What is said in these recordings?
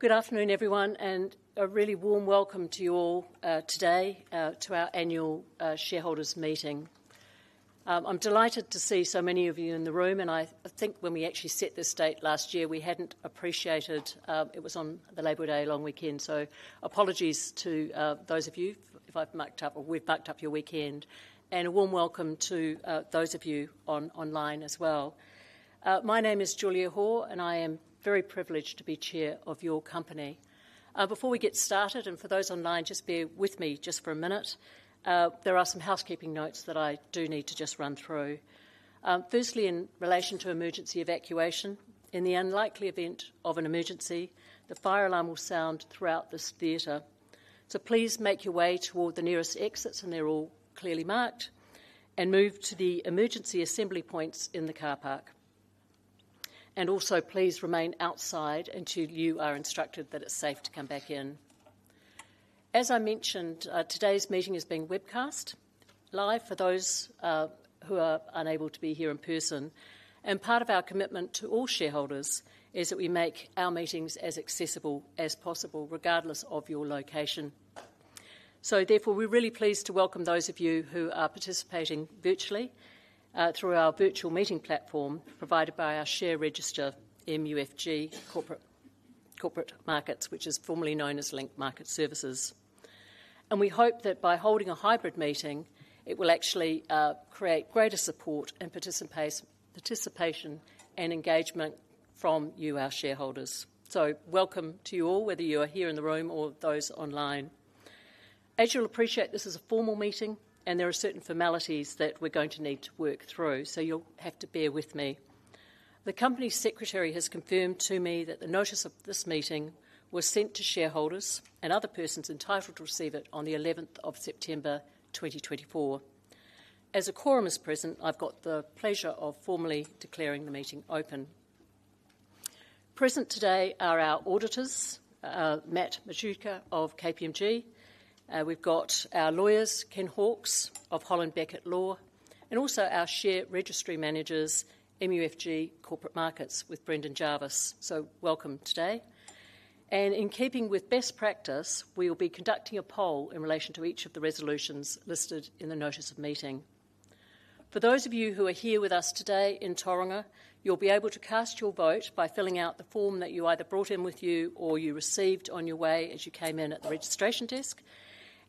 Good afternoon, everyone, and a really warm welcome to you all, today, to our annual shareholders' meeting. I'm delighted to see so many of you in the room, and I, I think when we actually set this date last year, we hadn't appreciated, it was on the Labour Day long weekend. So apologies to those of you if I've mucked up or we've mucked up your weekend, and a warm welcome to those of you online as well. My name is Julia Hoare, and I am very privileged to be Chair of your company. Before we get started, and for those online, just bear with me just for a minute. There are some housekeeping notes that I do need to just run through. Firstly, in relation to emergency evacuation, in the unlikely event of an emergency, the fire alarm will sound throughout this theater. So please make your way toward the nearest exits, and they're all clearly marked, and move to the emergency assembly points in the car park. And also, please remain outside until you are instructed that it's safe to come back in. As I mentioned, today's meeting is being webcast live for those who are unable to be here in person, and part of our commitment to all shareholders is that we make our meetings as accessible as possible, regardless of your location. So therefore, we're really pleased to welcome those of you who are participating virtually through our virtual meeting platform provided by our share register, MUFG Corporate Markets, which is formerly known as Link Market Services. We hope that by holding a hybrid meeting, it will actually create greater support and participation and engagement from you, our shareholders. Welcome to you all, whether you are here in the room or those online. As you'll appreciate, this is a formal meeting, and there are certain formalities that we're going to need to work through, so you'll have to bear with me. The company secretary has confirmed to me that the notice of this meeting was sent to shareholders and other persons entitled to receive it on the 11th of September, 2024. As a quorum is present, I've got the pleasure of formally declaring the meeting open. Present today are our auditors, Matt Mazzucchelli of KPMG. We've got our lawyers, Ken Hawkes of Holland Beckett Law, and also our share registry managers, MUFG Corporate Markets, with Brendan Jarvis. Welcome today. In keeping with best practice, we will be conducting a poll in relation to each of the resolutions listed in the notice of meeting. For those of you who are here with us today in Tauranga, you'll be able to cast your vote by filling out the form that you either brought in with you or you received on your way as you came in at the registration desk,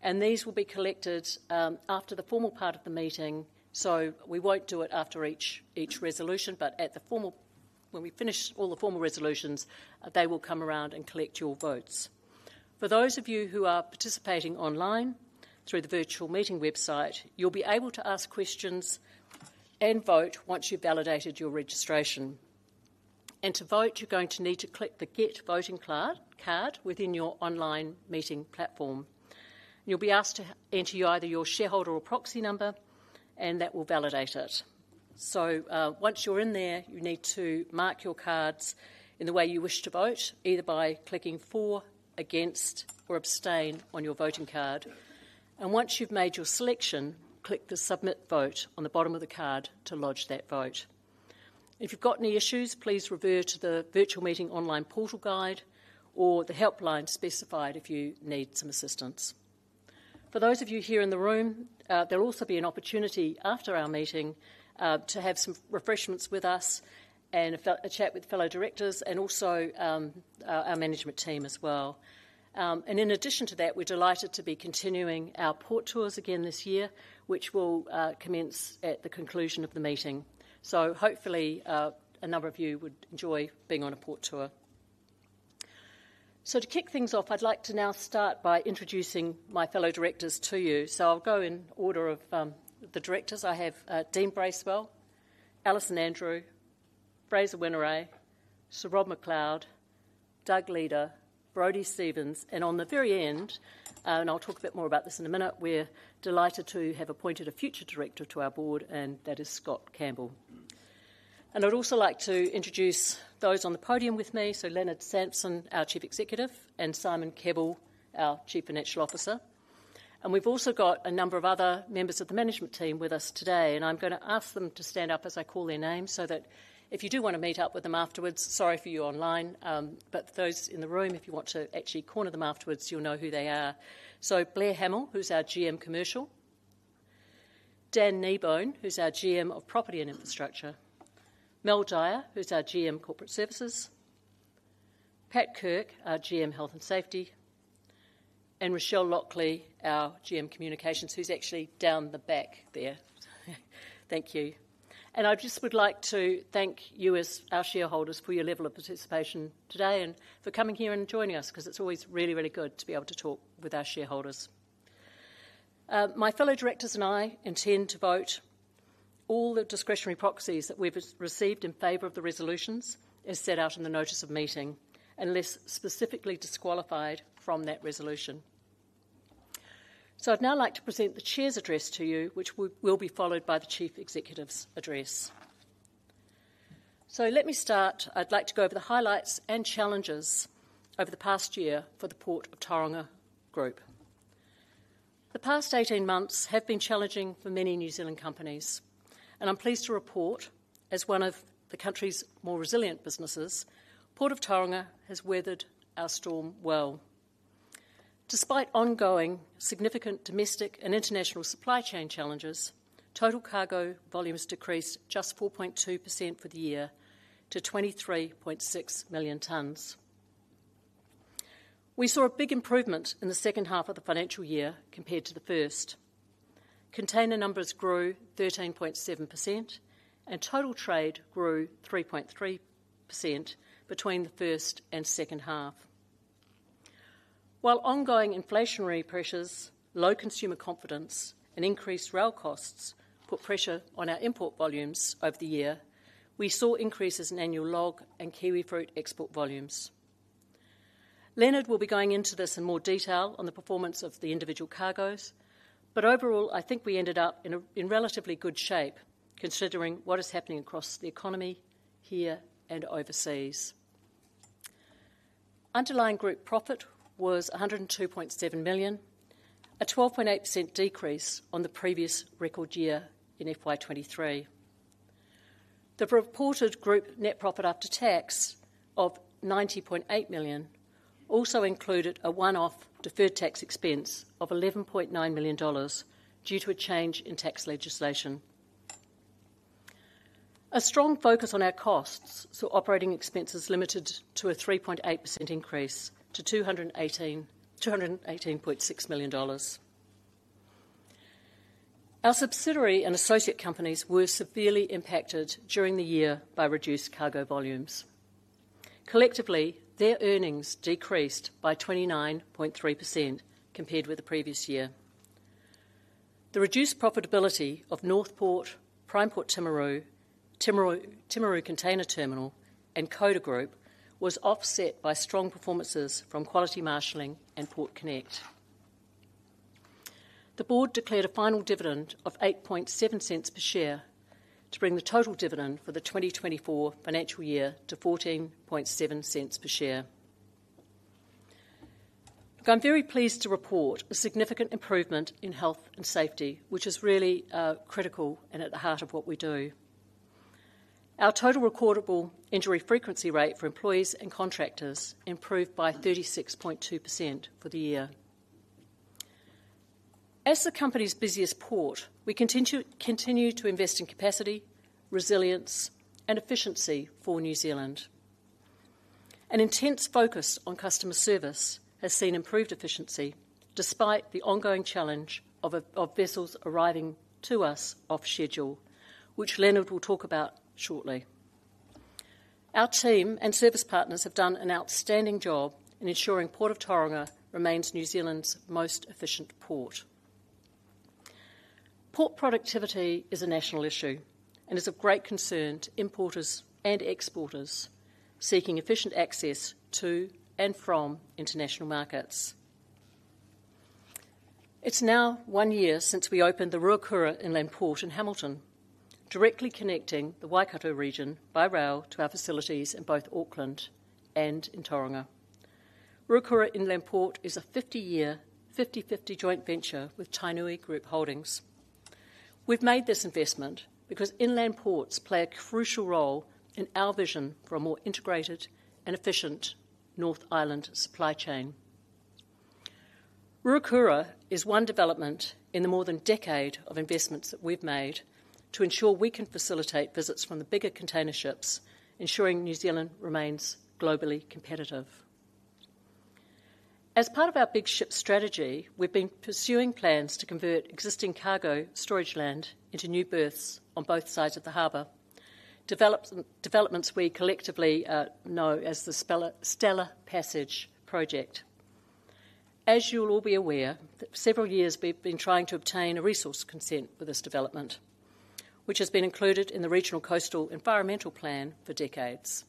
and these will be collected after the formal part of the meeting. We won't do it after each resolution, but at the formal when we finish all the formal resolutions, they will come around and collect your votes. For those of you who are participating online through the virtual meeting website, you'll be able to ask questions and vote once you've validated your registration. To vote, you're going to need to click the Get Voting card within your online meeting platform. You'll be asked to enter either your shareholder or proxy number, and that will validate it. Once you're in there, you need to mark your cards in the way you wish to vote, either by clicking for, against, or abstain on your voting card. Once you've made your selection, click the Submit Vote on the bottom of the card to lodge that vote. If you've got any issues, please refer to the virtual meeting online portal guide or the helpline specified if you need some assistance. For those of you here in the room, there'll also be an opportunity after our meeting to have some refreshments with us and a chat with fellow directors and also our management team as well. And in addition to that, we're delighted to be continuing our port tours again this year, which will commence at the conclusion of the meeting. So hopefully, a number of you would enjoy being on a port tour. So to kick things off, I'd like to now start by introducing my fellow directors to you. So I'll go in order of the directors. I have Dean Bracewell, Alison Andrew, Fraser Whineray, Sir Rob McLeod, Doug Leeder, Brodie Stevens, and on the very end, and I'll talk a bit more about this in a minute, we're delighted to have appointed a future director to our board, and that is Scott Campbell. And I'd also like to introduce those on the podium with me. So Leonard Sampson, our Chief Executive, and Simon Kebbell, our Chief Financial Officer. And we've also got a number of other members of the management team with us today, and I'm gonna ask them to stand up as I call their names, so that if you do want to meet up with them afterwards, sorry for you online, but those in the room, if you want to actually corner them afterwards, you'll know who they are. So Blair Hamill, who's our GM Commercial, Dan Kneebone, who's our GM of Property and Infrastructure, Mel Dyer, who's our GM Corporate Services, Pat Kirk, our GM Health and Safety, and Rochelle Lockley, our GM Communications, who's actually down the back there. Thank you. And I just would like to thank you as our shareholders for your level of participation today and for coming here and joining us, 'cause it's always really, really good to be able to talk with our shareholders. My fellow directors and I intend to vote all the discretionary proxies that we've received in favor of the resolutions, as set out in the notice of meeting, unless specifically disqualified from that resolution. So I'd now like to present the chair's address to you, which will be followed by the chief executive's address. So let me start. I'd like to go over the highlights and challenges over the past year for the Port of Tauranga Group. The past eighteen months have been challenging for many New Zealand companies, and I'm pleased to report, as one of the country's more resilient businesses, Port of Tauranga has weathered our storm well. Despite ongoing significant domestic and international supply chain challenges, total cargo volumes decreased just 4.2% for the year to 23.6 million tons. We saw a big improvement in the second half of the financial year compared to the first. Container numbers grew 13.7%, and total trade grew 3.3% between the first and second half. While ongoing inflationary pressures, low consumer confidence, and increased rail costs put pressure on our import volumes over the year, we saw increases in annual log and kiwifruit export volumes. Leonard will be going into this in more detail on the performance of the individual cargoes, but overall, I think we ended up in a relatively good shape, considering what is happening across the economy here and overseas. Underlying group profit was 102.7 million, a 12.8% decrease on the previous record year in FY 2023. The reported group net profit after tax of 90.8 million also included a one-off deferred tax expense of 11.9 million dollars due to a change in tax legislation. A strong focus on our costs saw operating expenses limited to a 3.8% increase to 218.6 million dollars. Our subsidiary and associate companies were severely impacted during the year by reduced cargo volumes. Collectively, their earnings decreased by 29.3% compared with the previous year. The reduced profitability of Northport, PrimePort Timaru, Timaru Container Terminal, and Coda Group was offset by strong performances from Quality Marshalling and Port Connect. The board declared a final dividend of 0.087 per share to bring the total dividend for the 2024 financial year to 0.147 per share. I'm very pleased to report a significant improvement in health and safety, which is really critical and at the heart of what we do. Our Total Recordable Injury Frequency Rate for employees and contractors improved by 36.2% for the year. As the company's busiest port, we continue to invest in capacity, resilience, and efficiency for New Zealand. An intense focus on customer service has seen improved efficiency, despite the ongoing challenge of vessels arriving to us off schedule, which Leonard will talk about shortly. Our team and service partners have done an outstanding job in ensuring Port of Tauranga remains New Zealand's most efficient port. Port productivity is a national issue and is of great concern to importers and exporters seeking efficient access to and from international markets. It's now one year since we opened the Ruakura Inland Port in Hamilton, directly connecting the Waikato region by rail to our facilities in both Auckland and in Tauranga. Ruakura Inland Port is a 50-year, 50-50 joint venture with Tainui Group Holdings. We've made this investment because inland ports play a crucial role in our vision for a more integrated and efficient North Island supply chain. Ruakura is one development in the more than decade of investments that we've made to ensure we can facilitate visits from the bigger container ships, ensuring New Zealand remains globally competitive. As part of our big ship strategy, we've been pursuing plans to convert existing cargo storage land into new berths on both sides of the harbor, developments we collectively know as the Stella Passage project. As you'll all be aware, that several years we've been trying to obtain a resource consent for this development, which has been included in the Regional Coastal Environmental Plan for decades.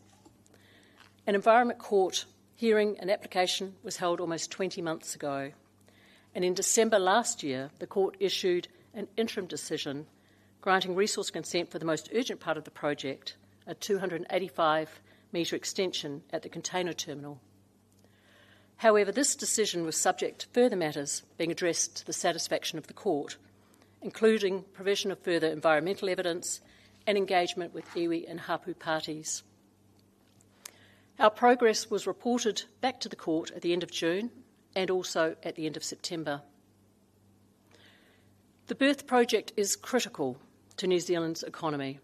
An Environment Court hearing and application was held almost 20 months ago, and in December last year, the court issued an interim decision granting resource consent for the most urgent part of the project, a 285-meter extension at the container terminal. However, this decision was subject to further matters being addressed to the satisfaction of the Court, including provision of further environmental evidence and engagement with iwi and hapū parties. Our progress was reported back to the Court at the end of June and also at the end of September. The berth project is critical to New Zealand's economy.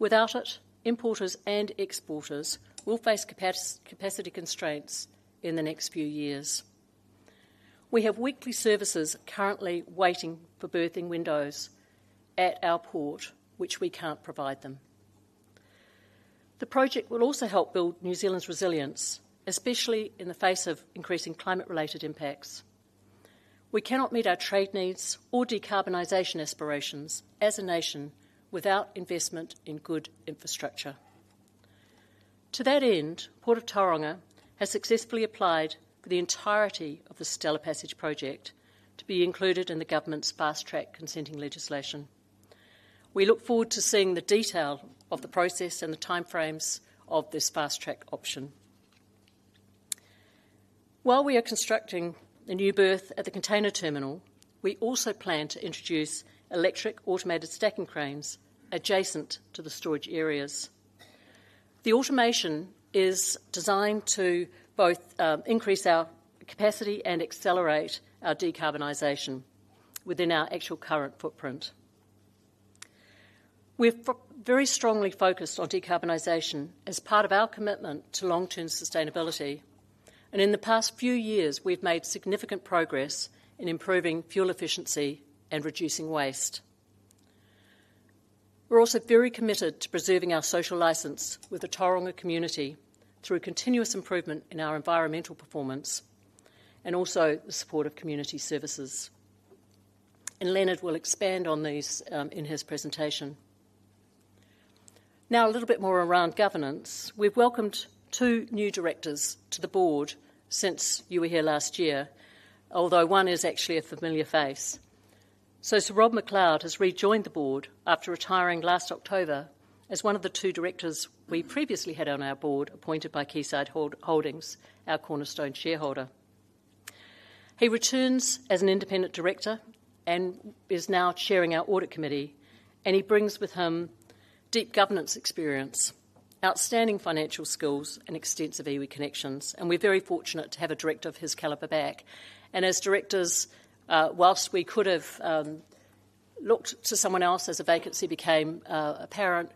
Without it, importers and exporters will face capacity constraints in the next few years. We have weekly services currently waiting for berthing windows at our port, which we can't provide them. The project will also help build New Zealand's resilience, especially in the face of increasing climate-related impacts. We cannot meet our trade needs or decarbonization aspirations as a nation without investment in good infrastructure. To that end, Port of Tauranga has successfully applied for the entirety of the Stella Passage project to be included in the government's fast-track consenting legislation. We look forward to seeing the detail of the process and the time frames of this fast-track option. While we are constructing the new berth at the container terminal, we also plan to introduce electric automated stacking cranes adjacent to the storage areas. The automation is designed to both increase our capacity and accelerate our decarbonization within our actual current footprint. We're very strongly focused on decarbonization as part of our commitment to long-term sustainability, and in the past few years, we've made significant progress in improving fuel efficiency and reducing waste. We're also very committed to preserving our social licence with the Tauranga community through continuous improvement in our environmental performance, and also the support of community services, and Leonard will expand on these, in his presentation. Now, a little bit more around governance. We've welcomed two new directors to the board since you were here last year, although one is actually a familiar face, so Sir Rob McLeod has rejoined the board after retiring last October as one of the two directors we previously had on our board, appointed by Quayside Holdings, our cornerstone shareholder. He returns as an independent director and is now chairing our audit committee, and he brings with him deep governance experience, outstanding financial skills, and extensive iwi connections, and we're very fortunate to have a director of his caliber back. As directors, while we could have looked to someone else as a vacancy became apparent,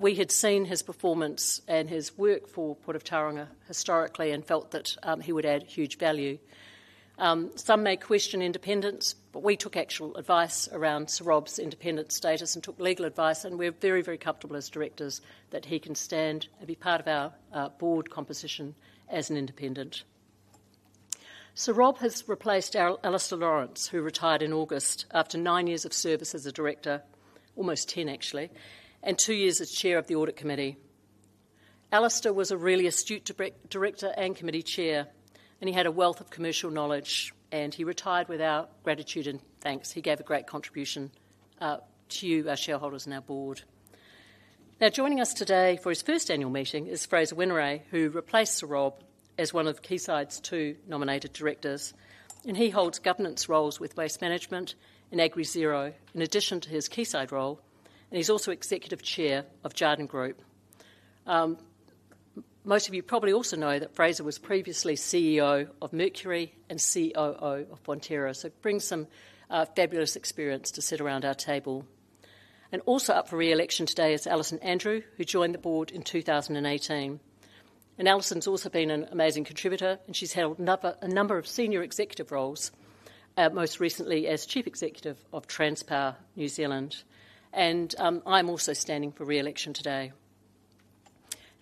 we had seen his performance and his work for Port of Tauranga historically and felt that he would add huge value. Some may question independence, but we took actual advice around Sir Rob's independent status and took legal advice, and we're very, very comfortable as directors that he can stand and be part of our board composition as an independent. Sir Rob has replaced Alastair Lawrence, who retired in August after nine years of service as a director, almost 10, actually, and two years as chair of the audit committee. Alastair was a really astute director and committee chair, and he had a wealth of commercial knowledge, and he retired with our gratitude and thanks. He gave a great contribution to you, our shareholders, and our board. Now, joining us today for his first annual meeting is Fraser Whineray, who replaced Sir Rob as one of Quayside's two nominated directors, and he holds governance roles with Waste Management and AgriZero, in addition to his Quayside role, and he's also Executive Chair of Jarden Group. Most of you probably also know that Fraser was previously CEO of Mercury and COO of Fonterra, so he brings some fabulous experience to sit around our table. And also up for re-election today is Alison Andrew, who joined the board in two thousand and eighteen. And Alison's also been an amazing contributor, and she's held a number of senior executive roles, most recently as Chief Executive of Transpower New Zealand. And, I'm also standing for re-election today.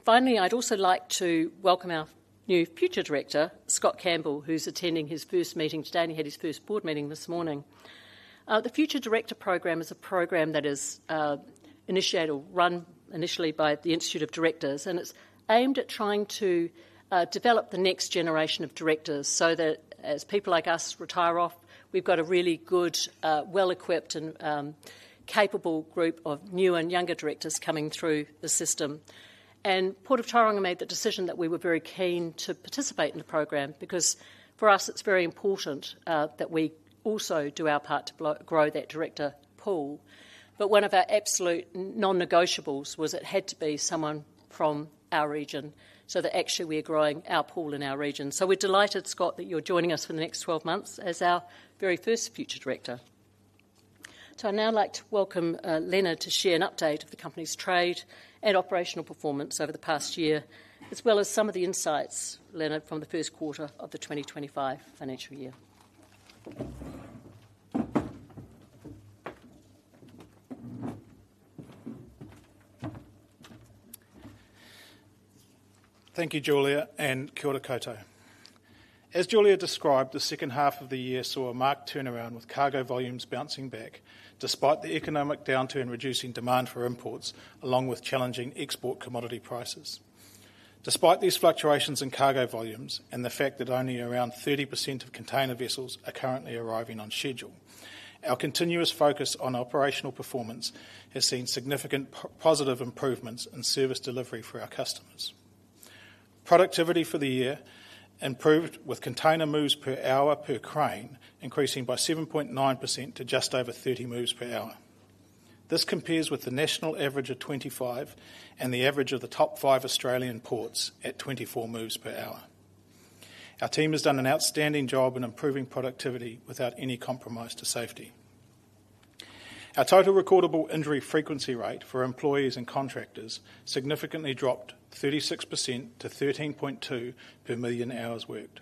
Finally, I'd also like to welcome our new Future Director, Scott Campbell, who's attending his first meeting today, and he had his first board meeting this morning. The Future Director Program is a program that is, initiated or run initially by the Institute of Directors, and it's aimed at trying to, develop the next generation of directors so that as people like us retire off, we've got a really good, well-equipped and, capable group of new and younger directors coming through the system. Port of Tauranga made the decision that we were very keen to participate in the program, because for us, it's very important that we also do our part to grow that director pool. One of our absolute non-negotiables was it had to be someone from our region, so that actually we are growing our pool in our region. We're delighted, Scott, that you're joining us for the next twelve months as our very first future director. I'd now like to welcome Leonard to share an update of the company's trade and operational performance over the past year, as well as some of the insights, Leonard, from the first quarter of the twenty twenty-five financial year. Thank you, Julia, and kia ora koutou. As Julia described, the second half of the year saw a marked turnaround, with cargo volumes bouncing back despite the economic downturn, reducing demand for imports, along with challenging export commodity prices. Despite these fluctuations in cargo volumes and the fact that only around 30% of container vessels are currently arriving on schedule, our continuous focus on operational performance has seen significant positive improvements in service delivery for our customers. Productivity for the year improved, with container moves per hour per crane increasing by 7.9% to just over 30 moves per hour. This compares with the national average of 25 and the average of the top five Australian ports at 24 moves per hour. Our team has done an outstanding job in improving productivity without any compromise to safety. Our total recordable injury frequency rate for employees and contractors significantly dropped 36% to 13.2 per million hours worked.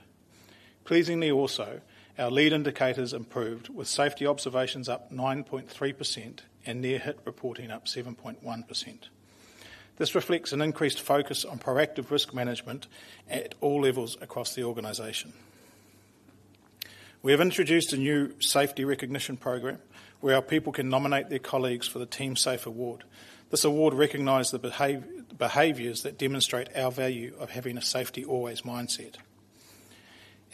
Pleasingly also, our lead indicators improved, with safety observations up 9.3% and near-hit reporting up 7.1%. This reflects an increased focus on proactive risk management at all levels across the organization. We have introduced a new safety recognition program, where our people can nominate their colleagues for the Team Safe Award. This award recognizes the behaviors that demonstrate our value of having a safety always mindset.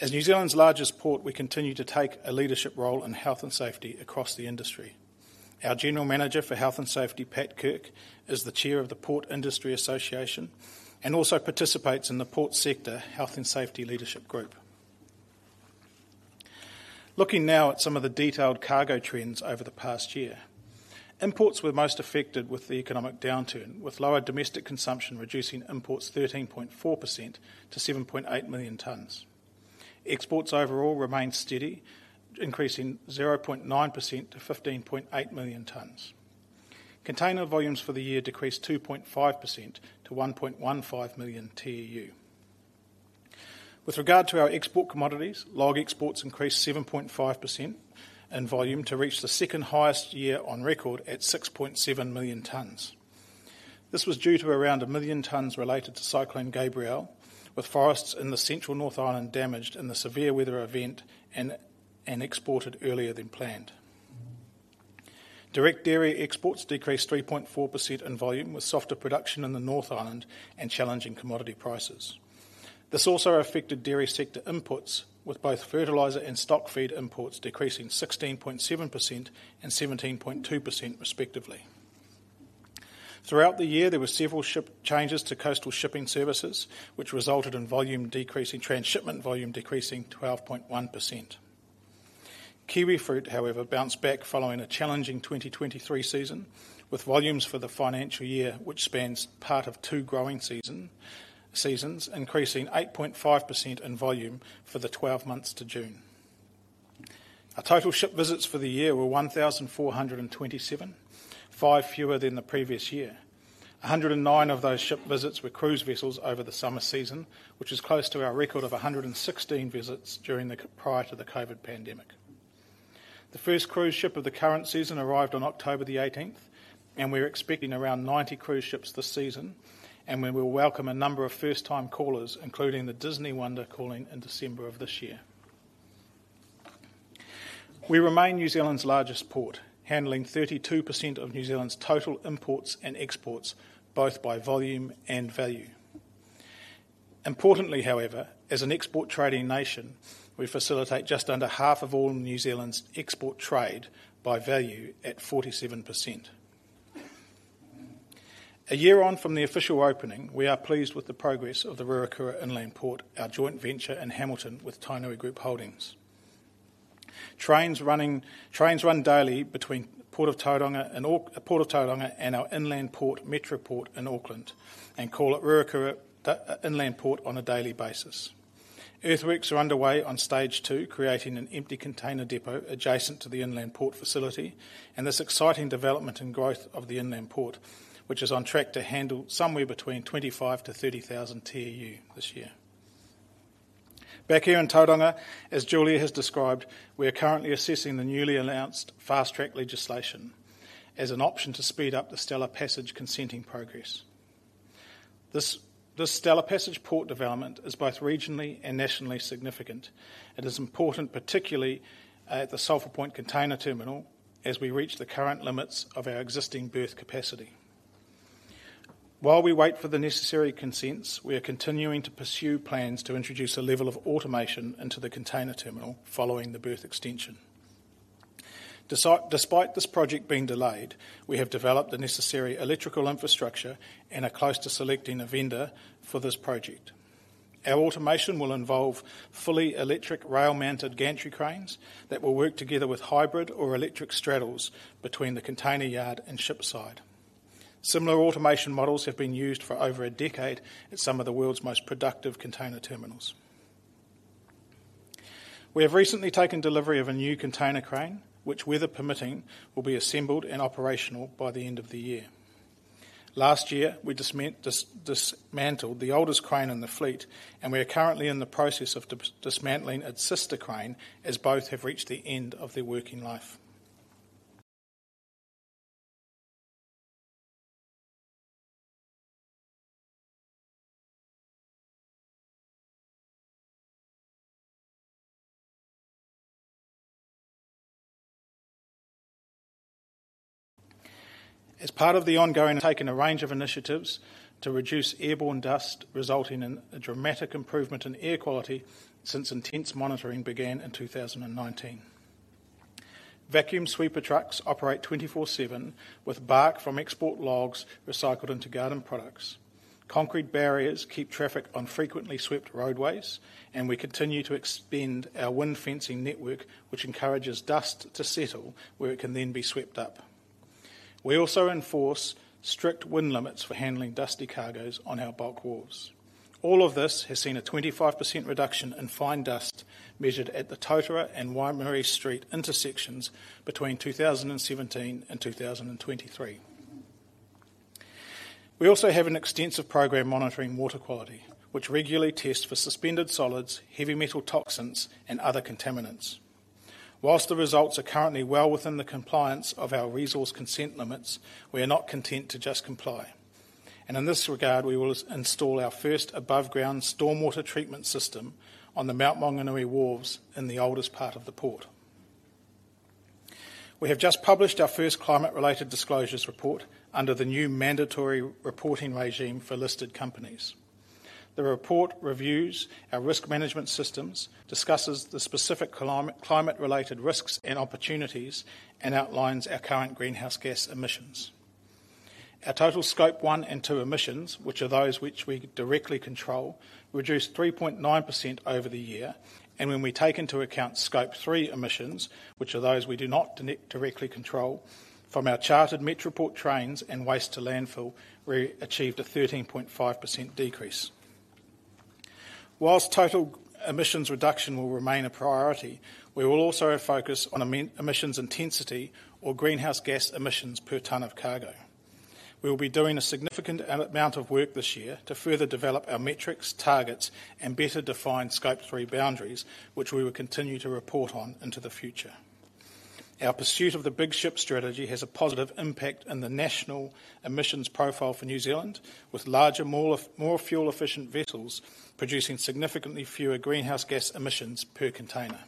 As New Zealand's largest port, we continue to take a leadership role in health and safety across the industry. Our General Manager for Health and Safety, Pat Kirk, is the Chair of the Port Industry Association, and also participates in the Port Sector Health and Safety Leadership Group. Looking now at some of the detailed cargo trends over the past year, imports were most affected with the economic downturn, with lower domestic consumption reducing imports 13.4% to 7.8 million tonnes. Exports overall remained steady, increasing 0.9% to 15.8 million tonnes. Container volumes for the year decreased 2.5% to 1.15 million TEU. With regard to our export commodities, log exports increased 7.5% in volume to reach the second highest year on record at 6.7 million tonnes. This was due to around a million tonnes related to Cyclone Gabrielle, with forests in the central North Island damaged in the severe weather event and exported earlier than planned. Direct dairy exports decreased 3.4% in volume, with softer production in the North Island and challenging commodity prices. This also affected dairy sector imports, with both fertilizer and stock feed imports decreasing 16.7% and 17.2% respectively. Throughout the year, there were several ship changes to coastal shipping services, which resulted in volume decreasing, transshipment volume decreasing 12.1%. Kiwifruit, however, bounced back following a challenging 2023 season, with volumes for the financial year, which spans part of two growing seasons, increasing 8.5% in volume for the twelve months to June. Our total ship visits for the year were 1,427, five fewer than the previous year. 109 of those ship visits were cruise vessels over the summer season, which is close to our record of 116 visits during the prior to the COVID pandemic. The first cruise ship of the current season arrived on October the eighteenth, and we're expecting around ninety cruise ships this season, and we will welcome a number of first-time callers, including the Disney Wonder calling in December of this year. We remain New Zealand's largest port, handling 32% of New Zealand's total imports and exports, both by volume and value. Importantly, however, as an export trading nation, we facilitate just under half of all New Zealand's export trade by value at 47%. A year on from the official opening, we are pleased with the progress of the Ruakura Inland Port, our joint venture in Hamilton with Tainui Group Holdings. Trains run daily between Port of Tauranga and Port of Tauranga and our inland port, MetroPort, in Auckland, and call at Ruakura Inland Port on a daily basis. Earthworks are underway on stage two, creating an empty container depot adjacent to the inland port facility, and this exciting development and growth of the inland port, which is on track to handle somewhere between 25-30 thousand TEU this year. Back here in Tauranga, as Julia has described, we are currently assessing the newly announced fast-track legislation as an option to speed up the Stella Passage consenting progress. This Stella Passage port development is both regionally and nationally significant. It is important, particularly, at the Sulphur Point Container Terminal, as we reach the current limits of our existing berth capacity. While we wait for the necessary consents, we are continuing to pursue plans to introduce a level of automation into the container terminal following the berth extension. Despite this project being delayed, we have developed the necessary electrical infrastructure and are close to selecting a vendor for this project. Our automation will involve fully electric rail-mounted gantry cranes that will work together with hybrid or electric straddles between the container yard and shipside. Similar automation models have been used for over a decade at some of the world's most productive container terminals. We have recently taken delivery of a new container crane, which, weather permitting, will be assembled and operational by the end of the year. Last year, we dismantled the oldest crane in the fleet, and we are currently in the process of dismantling its sister crane, as both have reached the end of their working life. As part of the ongoing, taken a range of initiatives to reduce airborne dust, resulting in a dramatic improvement in air quality since intense monitoring began in two thousand and nineteen. Vacuum sweeper trucks operate 24/7, with bark from export logs recycled into garden products. Concrete barriers keep traffic on frequently swept roadways, and we continue to expand our wind fencing network, which encourages dust to settle, where it can then be swept up. We also enforce strict wind limits for handling dusty cargoes on our bulk wharves. All of this has seen a 25% reduction in fine dust measured at the Totara Street and Waimari Street intersections between two thousand and seventeen and two thousand and twenty-three. We also have an extensive program monitoring water quality, which regularly tests for suspended solids, heavy metal toxins, and other contaminants. While the results are currently well within the compliance of our resource consent limits, we are not content to just comply, and in this regard, we will install our first above-ground stormwater treatment system on the Mount Maunganui wharves in the oldest part of the port. We have just published our first climate-related disclosures report under the new mandatory reporting regime for listed companies. The report reviews our risk management systems, discusses the specific climate-related risks and opportunities, and outlines our current greenhouse gas emissions. Our total Scope 1 and 2 emissions, which are those which we directly control, reduced 3.9% over the year, and when we take into account Scope 3 emissions, which are those we do not directly control, from our chartered MetroPort trains and waste to landfill, we achieved a 13.5% decrease. While total emissions reduction will remain a priority, we will also focus on emissions intensity or greenhouse gas emissions per ton of cargo. We will be doing a significant amount of work this year to further develop our metrics, targets, and better define scope three boundaries, which we will continue to report on into the future. Our pursuit of the big ship strategy has a positive impact in the national emissions profile for New Zealand, with larger, more fuel-efficient vessels producing significantly fewer greenhouse gas emissions per container.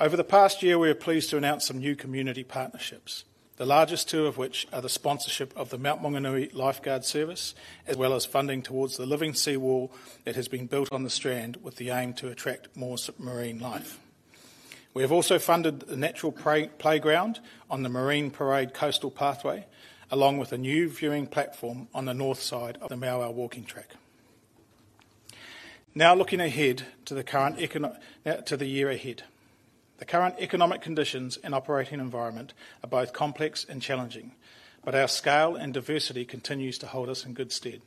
Over the past year, we are pleased to announce some new community partnerships, the largest two of which are the sponsorship of the Mount Maunganui Lifeguard Service, as well as funding towards the living sea wall that has been built on The Strand with the aim to attract more submarine life. We have also funded the natural playground on the Marine Parade coastal pathway, along with a new viewing platform on the north side of the Mauao walking track. Now, looking ahead to the current to the year ahead. The current economic conditions and operating environment are both complex and challenging, but our scale and diversity continues to hold us in good stead.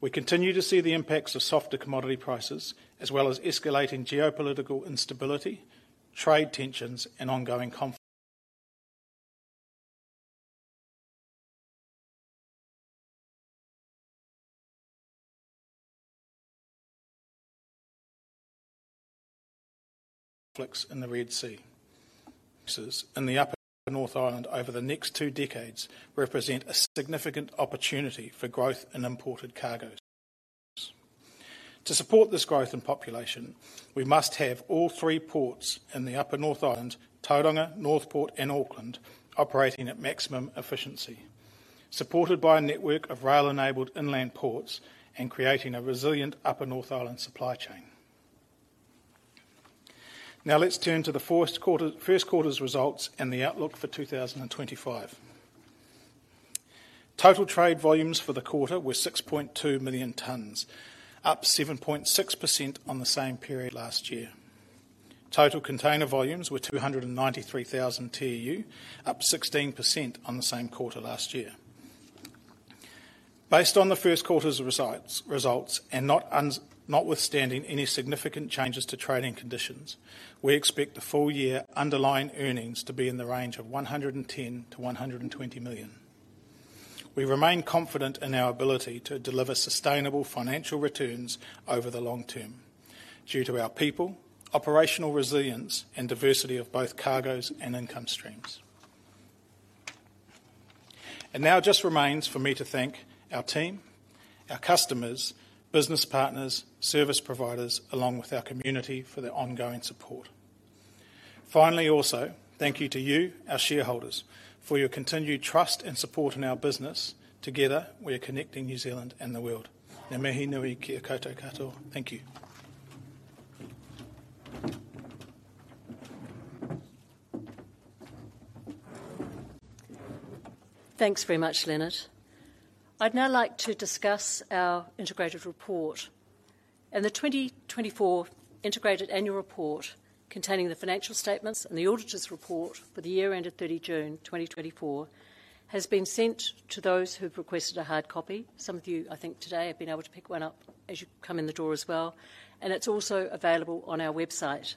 We continue to see the impacts of softer commodity prices, as well as escalating geopolitical instability, trade tensions, and ongoing conflicts in the Red Sea. In the upper North Island over the next two decades represent a significant opportunity for growth in imported cargoes. To support this growth in population, we must have all three ports in the upper North Island, Tauranga, Northport, and Auckland, operating at maximum efficiency, supported by a network of rail-enabled inland ports and creating a resilient upper North Island supply chain. Now, let's turn to the first quarter's results and the outlook for 2025. Total trade volumes for the quarter were 6.2 million tonnes, up 7.6% on the same period last year. Total container volumes were 293,000 TEU, up 16% on the same quarter last year. Based on the first quarter's results, and notwithstanding any significant changes to trading conditions, we expect the full year underlying earnings to be in the range of 110-120 million. We remain confident in our ability to deliver sustainable financial returns over the long term, due to our people, operational resilience, and diversity of both cargoes and income streams. It now just remains for me to thank our team, our customers, business partners, service providers, along with our community, for their ongoing support. Finally, also, thank you to you, our shareholders, for your continued trust and support in our business. Together, we are connecting New Zealand and the world. Ngā mihi nui kia koutou katoa. Thank you. Thanks very much, Leonard. I'd now like to discuss our integrated report. In the twenty twenty-four integrated annual report, containing the financial statements and the auditor's report for the year ended thirty June, twenty twenty-four, has been sent to those who've requested a hard copy. Some of you, I think, today have been able to pick one up as you come in the door as well, and it's also available on our website,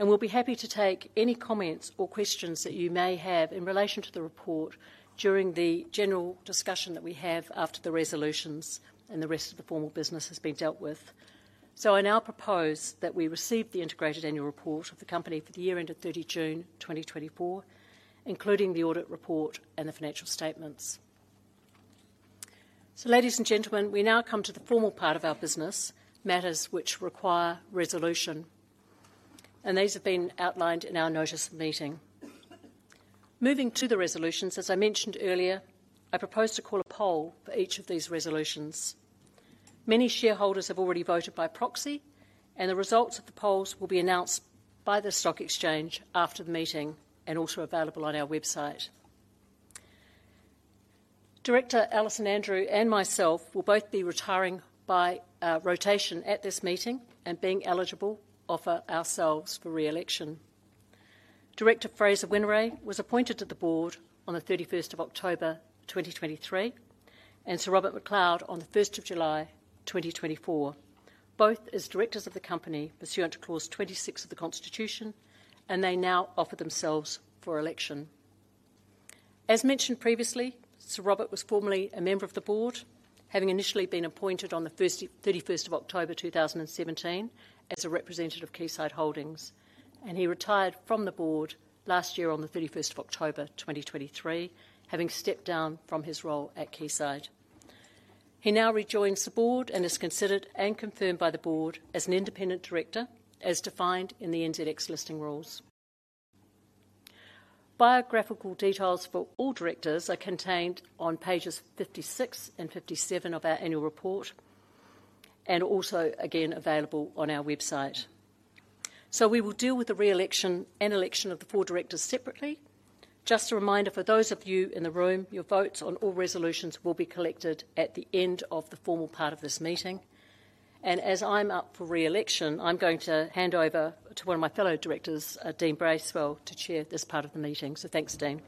and we'll be happy to take any comments or questions that you may have in relation to the report during the general discussion that we have after the resolutions and the rest of the formal business has been dealt with, so I now propose that we receive the integrated annual report of the company for the year ended thirty June, twenty twenty-four, including the audit report and the financial statements. Ladies and gentlemen, we now come to the formal part of our business, matters which require resolution, and these have been outlined in our notice of meeting. Moving to the resolutions, as I mentioned earlier, I propose to call a poll for each of these resolutions. Many shareholders have already voted by proxy, and the results of the polls will be announced by the stock exchange after the meeting and also available on our website. Director Alison Andrew and myself will both be retiring by rotation at this meeting, and being eligible, offer ourselves for re-election. Director Fraser Whineray was appointed to the Board on the thirty-first of October, 2023, and Sir Robert McLeod on the first of July, 2024, both as directors of the company pursuant to Clause 26 of the Constitution, and they now offer themselves for election. As mentioned previously, Sir Robert McLeod was formerly a member of the board, having initially been appointed on the thirty-first of October, two thousand and seventeen, as a representative of Quayside Holdings, and he retired from the board last year on the thirty-first of October, twenty twenty-three, having stepped down from his role at Quayside. He now rejoins the board and is considered and confirmed by the board as an independent director, as defined in the NZX listing rules. Biographical details for all directors are contained on pages 56 and 57 of our annual report, and also again available on our website. So we will deal with the re-election and election of the four directors separately. Just a reminder, for those of you in the room, your votes on all resolutions will be collected at the end of the formal part of this meeting. As I'm up for re-election, I'm going to hand over to one of my fellow directors, Dean Bracewell, to chair this part of the meeting. So thanks, Dean.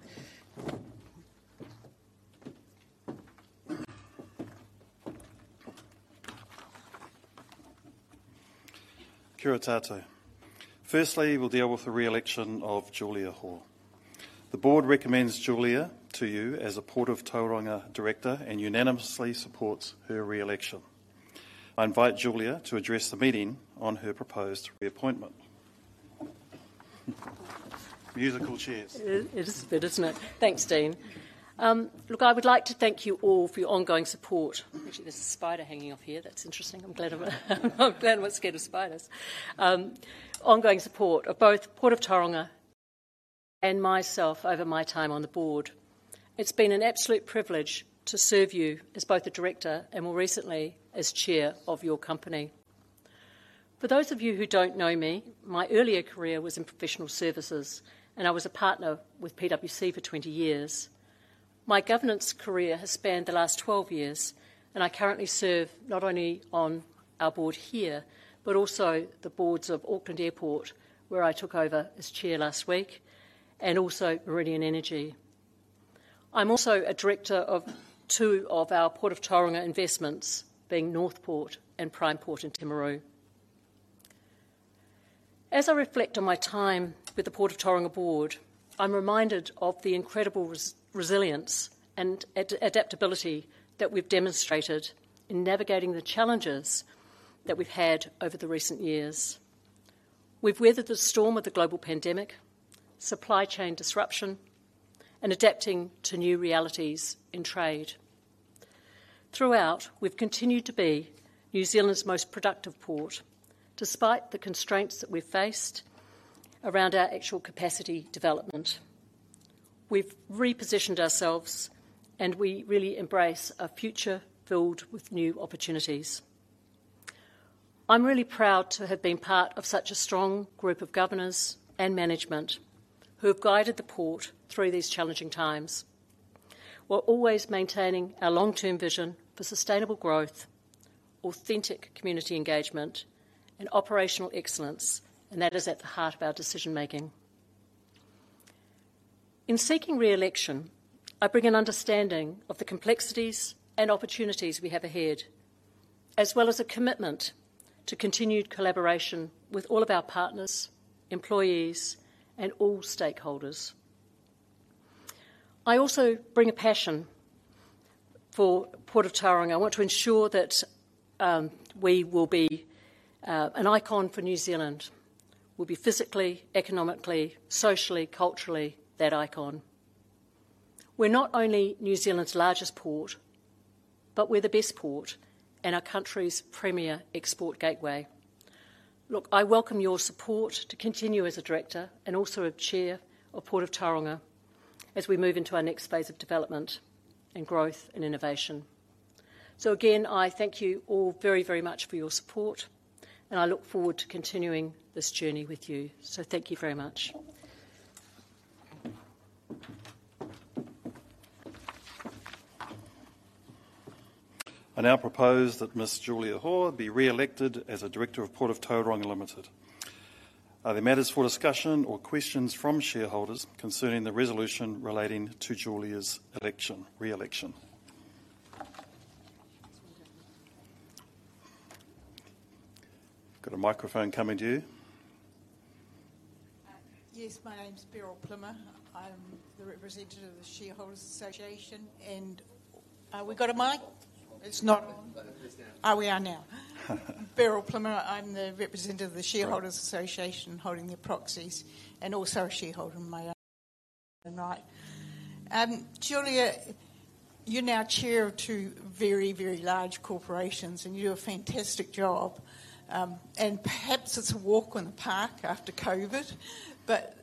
Kia ora tatou. Firstly, we'll deal with the re-election of Julia Hoare. The board recommends Julia to you as a Port of Tauranga director and unanimously supports her re-election. I invite Julia to address the meeting on her proposed reappointment. Musical chairs. It is a bit, isn't it? Thanks, Dean. Look, I would like to thank you all for your ongoing support. Actually, there's a spider hanging off here. That's interesting. I'm glad I'm not scared of spiders. Ongoing support of both Port of Tauranga and myself over my time on the board. It's been an absolute privilege to serve you as both a director and more recently as chair of your company. For those of you who don't know me, my earlier career was in professional services, and I was a partner with PwC for 20 years. My governance career has spanned the last 12 years, and I currently serve not only on our board here, but also the boards of Auckland Airport, where I took over as chair last week, and also Meridian Energy. I'm also a director of two of our Port of Tauranga investments, being Northport and PrimePort in Timaru. As I reflect on my time with the Port of Tauranga board, I'm reminded of the incredible resilience and adaptability that we've demonstrated in navigating the challenges that we've had over the recent years. We've weathered the storm of the global pandemic, supply chain disruption, and adapting to new realities in trade. Throughout, we've continued to be New Zealand's most productive port, despite the constraints that we've faced around our actual capacity development. We've repositioned ourselves, and we really embrace a future filled with new opportunities. I'm really proud to have been part of such a strong group of governors and management who have guided the port through these challenging times, while always maintaining our long-term vision for sustainable growth, authentic community engagement, and operational excellence, and that is at the heart of our decision-making. In seeking re-election, I bring an understanding of the complexities and opportunities we have ahead, as well as a commitment to continued collaboration with all of our partners, employees, and all stakeholders. I also bring a passion for Port of Tauranga. I want to ensure that we will be an icon for New Zealand. We'll be physically, economically, socially, culturally, that icon. We're not only New Zealand's largest port, but we're the best port and our country's premier export gateway. Look, I welcome your support to continue as a director and also as chair of Port of Tauranga as we move into our next phase of development, and growth, and innovation. So again, I thank you all very, very much for your support, and I look forward to continuing this journey with you. So thank you very much. I now propose that Ms. Julia Hoare be re-elected as a director of Port of Tauranga Limited. Are there matters for discussion or questions from shareholders concerning the resolution relating to Julia's election, re-election? Got a microphone coming to you. Yes, my name is Beryl Plimmer. I'm the representative of the Shareholders Association, and... we got a mic? It's not- It is now. Beryl Plimmer, I'm the representative of the Shareholders Association, holding the proxies and also a shareholder in my own right. Julia, you're now chair of two very, very large corporations, and you do a fantastic job. And perhaps it's a walk in the park after COVID, but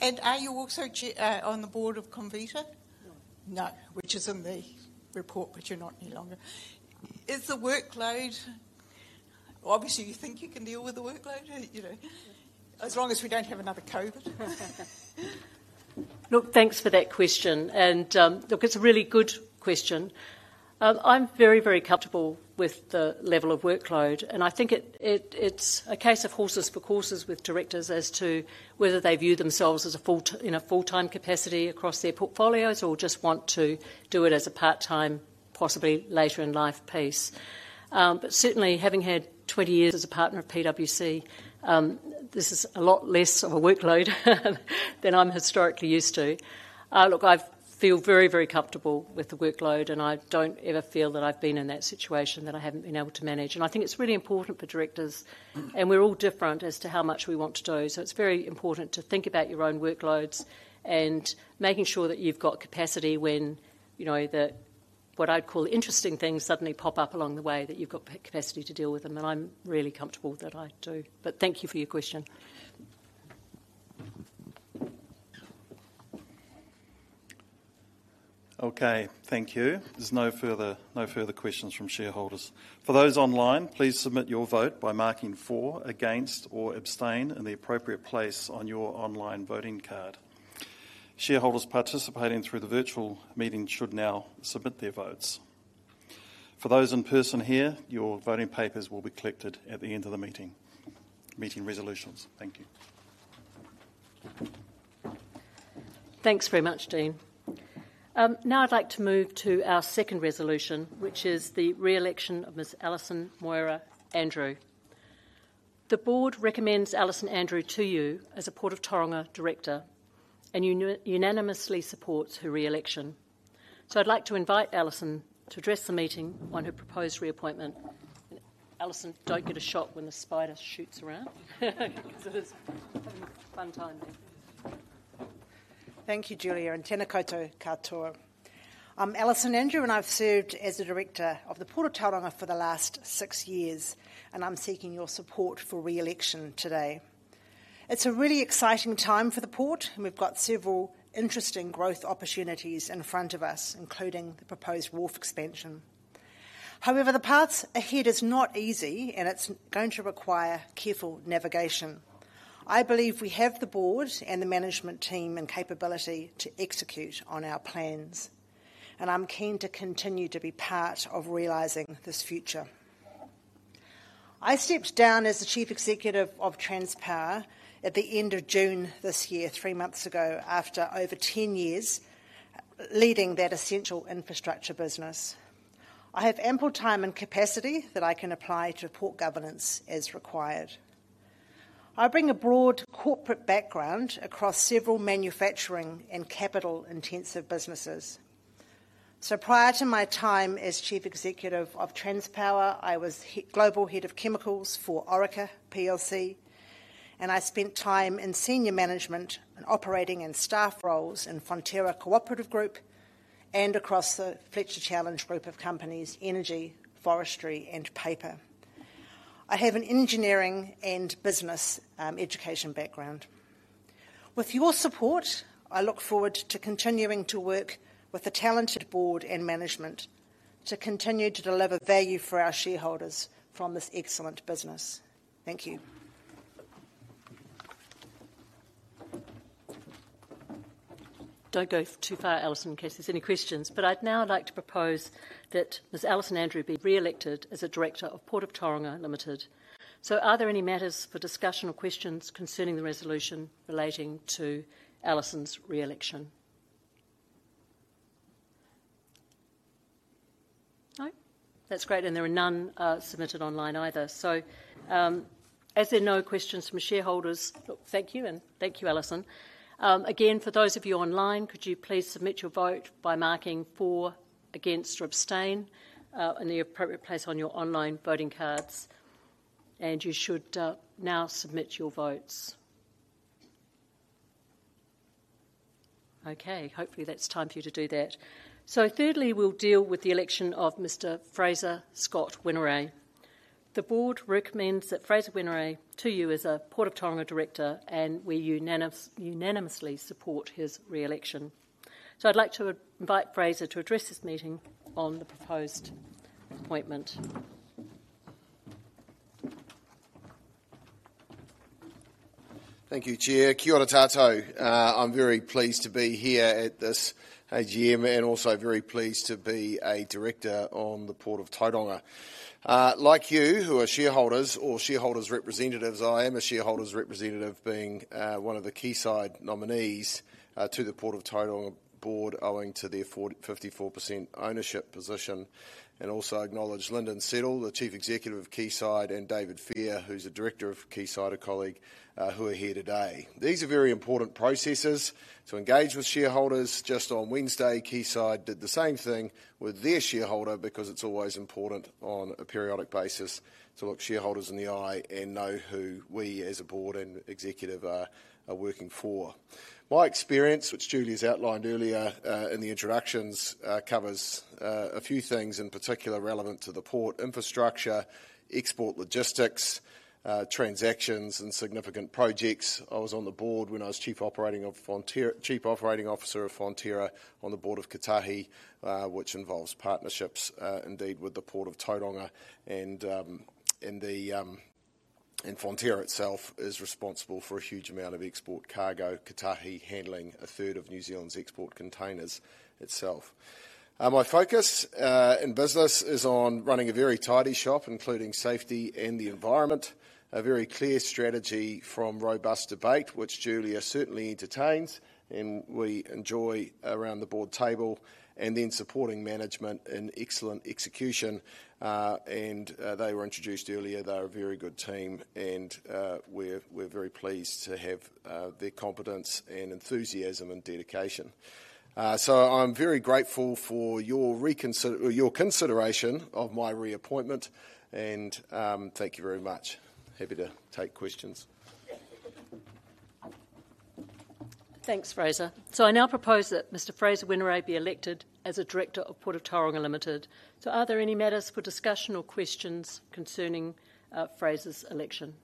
and are you also on the board of Comvita? No. No, which is in the report, but you're not any longer. Is the workload... Obviously, you think you can deal with the workload, you know- Yes. As long as we don't have another COVID. Look, thanks for that question, and, look, it's a really good question. I'm very, very comfortable with the level of workload, and I think it, it's a case of horses for courses with directors as to whether they view themselves as a full-time capacity across their portfolios or just want to do it as a part-time, possibly later in life piece. But certainly, having had twenty years as a partner of PwC, this is a lot less of a workload than I'm historically used to. Look, I feel very, very comfortable with the workload, and I don't ever feel that I've been in that situation that I haven't been able to manage. And I think it's really important for directors, and we're all different as to how much we want to do, so it's very important to think about your own workloads and making sure that you've got capacity when, you know, what I'd call interesting things suddenly pop up along the way, that you've got capacity to deal with them, and I'm really comfortable that I do. But thank you for your question. Okay, thank you. There's no further questions from shareholders. For those online, please submit your vote by marking for, against, or abstain in the appropriate place on your online voting card. Shareholders participating through the virtual meeting should now submit their votes. For those in person here, your voting papers will be collected at the end of the meeting. Meeting resolutions. Thank you. Thanks very much, Dean. Now I'd like to move to our second resolution, which is the re-election of Ms. Alison Moira Andrew. The board recommends Alison Andrew to you as a Port of Tauranga director, and unanimously supports her re-election. So I'd like to invite Alison to address the meeting on her proposed reappointment. Alison, don't get a shock when the spotlight swings around. Because it is a fun time there. Thank you, Julia, and Tēnā koutou katoa. I'm Alison Andrew, and I've served as a director of the Port of Tauranga for the last six years, and I'm seeking your support for re-election today. It's a really exciting time for the port, and we've got several interesting growth opportunities in front of us, including the proposed wharf expansion. However, the path ahead is not easy, and it's going to require careful navigation. I believe we have the board and the management team and capability to execute on our plans, and I'm keen to continue to be part of realizing this future. I stepped down as the Chief Executive of Transpower at the end of June this year, three months ago, after over ten years leading that essential infrastructure business. I have ample time and capacity that I can apply to port governance as required. I bring a broad corporate background across several manufacturing and capital-intensive businesses. So prior to my time as Chief Executive of Transpower, I was the Global Head of Chemicals for Orica PLC, and I spent time in senior management and operating in staff roles in Fonterra Cooperative Group and across the Fletcher Challenge group of companies, energy, forestry, and paper. I have an engineering and business education background. With your support, I look forward to continuing to work with the talented board and management to continue to deliver value for our shareholders from this excellent business. Thank you. Don't go too far, Alison, in case there's any questions. But I'd now like to propose that Ms. Alison Andrew be re-elected as a director of Port of Tauranga Limited. So are there any matters for discussion or questions concerning the resolution relating to Alison's re-election? No? That's great, and there are none, submitted online either. So, as there are no questions from shareholders, thank you, and thank you, Alison. Again, for those of you online, could you please submit your vote by marking for, against, or abstain, in the appropriate place on your online voting cards, and you should, now submit your votes. Okay, hopefully, that's time for you to do that. So thirdly, we'll deal with the election of Mr. Fraser Whineray. The board recommends that Fraser Whineray to you as a Port of Tauranga director, and we unanimously support his re-election. So I'd like to invite Fraser to address this meeting on the proposed appointment. Thank you, Chair. Kia ora tatou. I'm very pleased to be here at this AGM, and also very pleased to be a director on the Port of Tauranga. Like you, who are shareholders or shareholders' representatives, I am a shareholders' representative, being one of the Quayside nominees to the Port of Tauranga board, owing to their 45.4% ownership position, and also acknowledge Lyndon Settle, the Chief Executive of Quayside, and David Ferrier, who's a director of Quayside, a colleague, who are here today. These are very important processes to engage with shareholders. Just on Wednesday, Quayside did the same thing with their shareholder, because it's always important on a periodic basis to look shareholders in the eye and know who we, as a board and executive, are working for. My experience, which Julia's outlined earlier, in the introductions, covers a few things in particular relevant to the port: infrastructure, export logistics, transactions, and significant projects. I was on the board when I was Chief Operating Officer of Fonterra, on the board of Kotahi, which involves partnerships, indeed, with the Port of Tauranga, and Fonterra itself is responsible for a huge amount of export cargo, Kotahi handling a third of New Zealand's export containers itself. My focus in business is on running a very tidy shop, including safety and the environment, a very clear strategy from robust debate, which Julia certainly entertains, and we enjoy around the board table, and then supporting management in excellent execution, and they were introduced earlier. They are a very good team, and we're very pleased to have their competence and enthusiasm and dedication. So I'm very grateful for your consideration of my reappointment, and thank you very much. Happy to take questions.... Thanks, Fraser. So I now propose that Mr. Fraser Whineray be elected as a director of Port of Tauranga Limited. So are there any matters for discussion or questions concerning Fraser's election?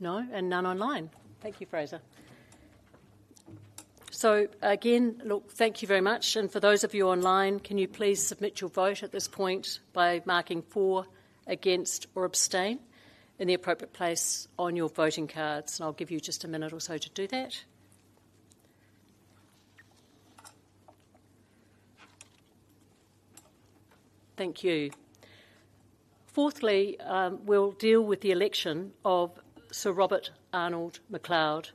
No, and none online. Thank you, Fraser. So again, look, thank you very much, and for those of you online, can you please submit your vote at this point by marking for, against, or abstain in the appropriate place on your voting cards, and I'll give you just a minute or so to do that. Thank you. Fourthly, we'll deal with the election of Sir Robert McLeod.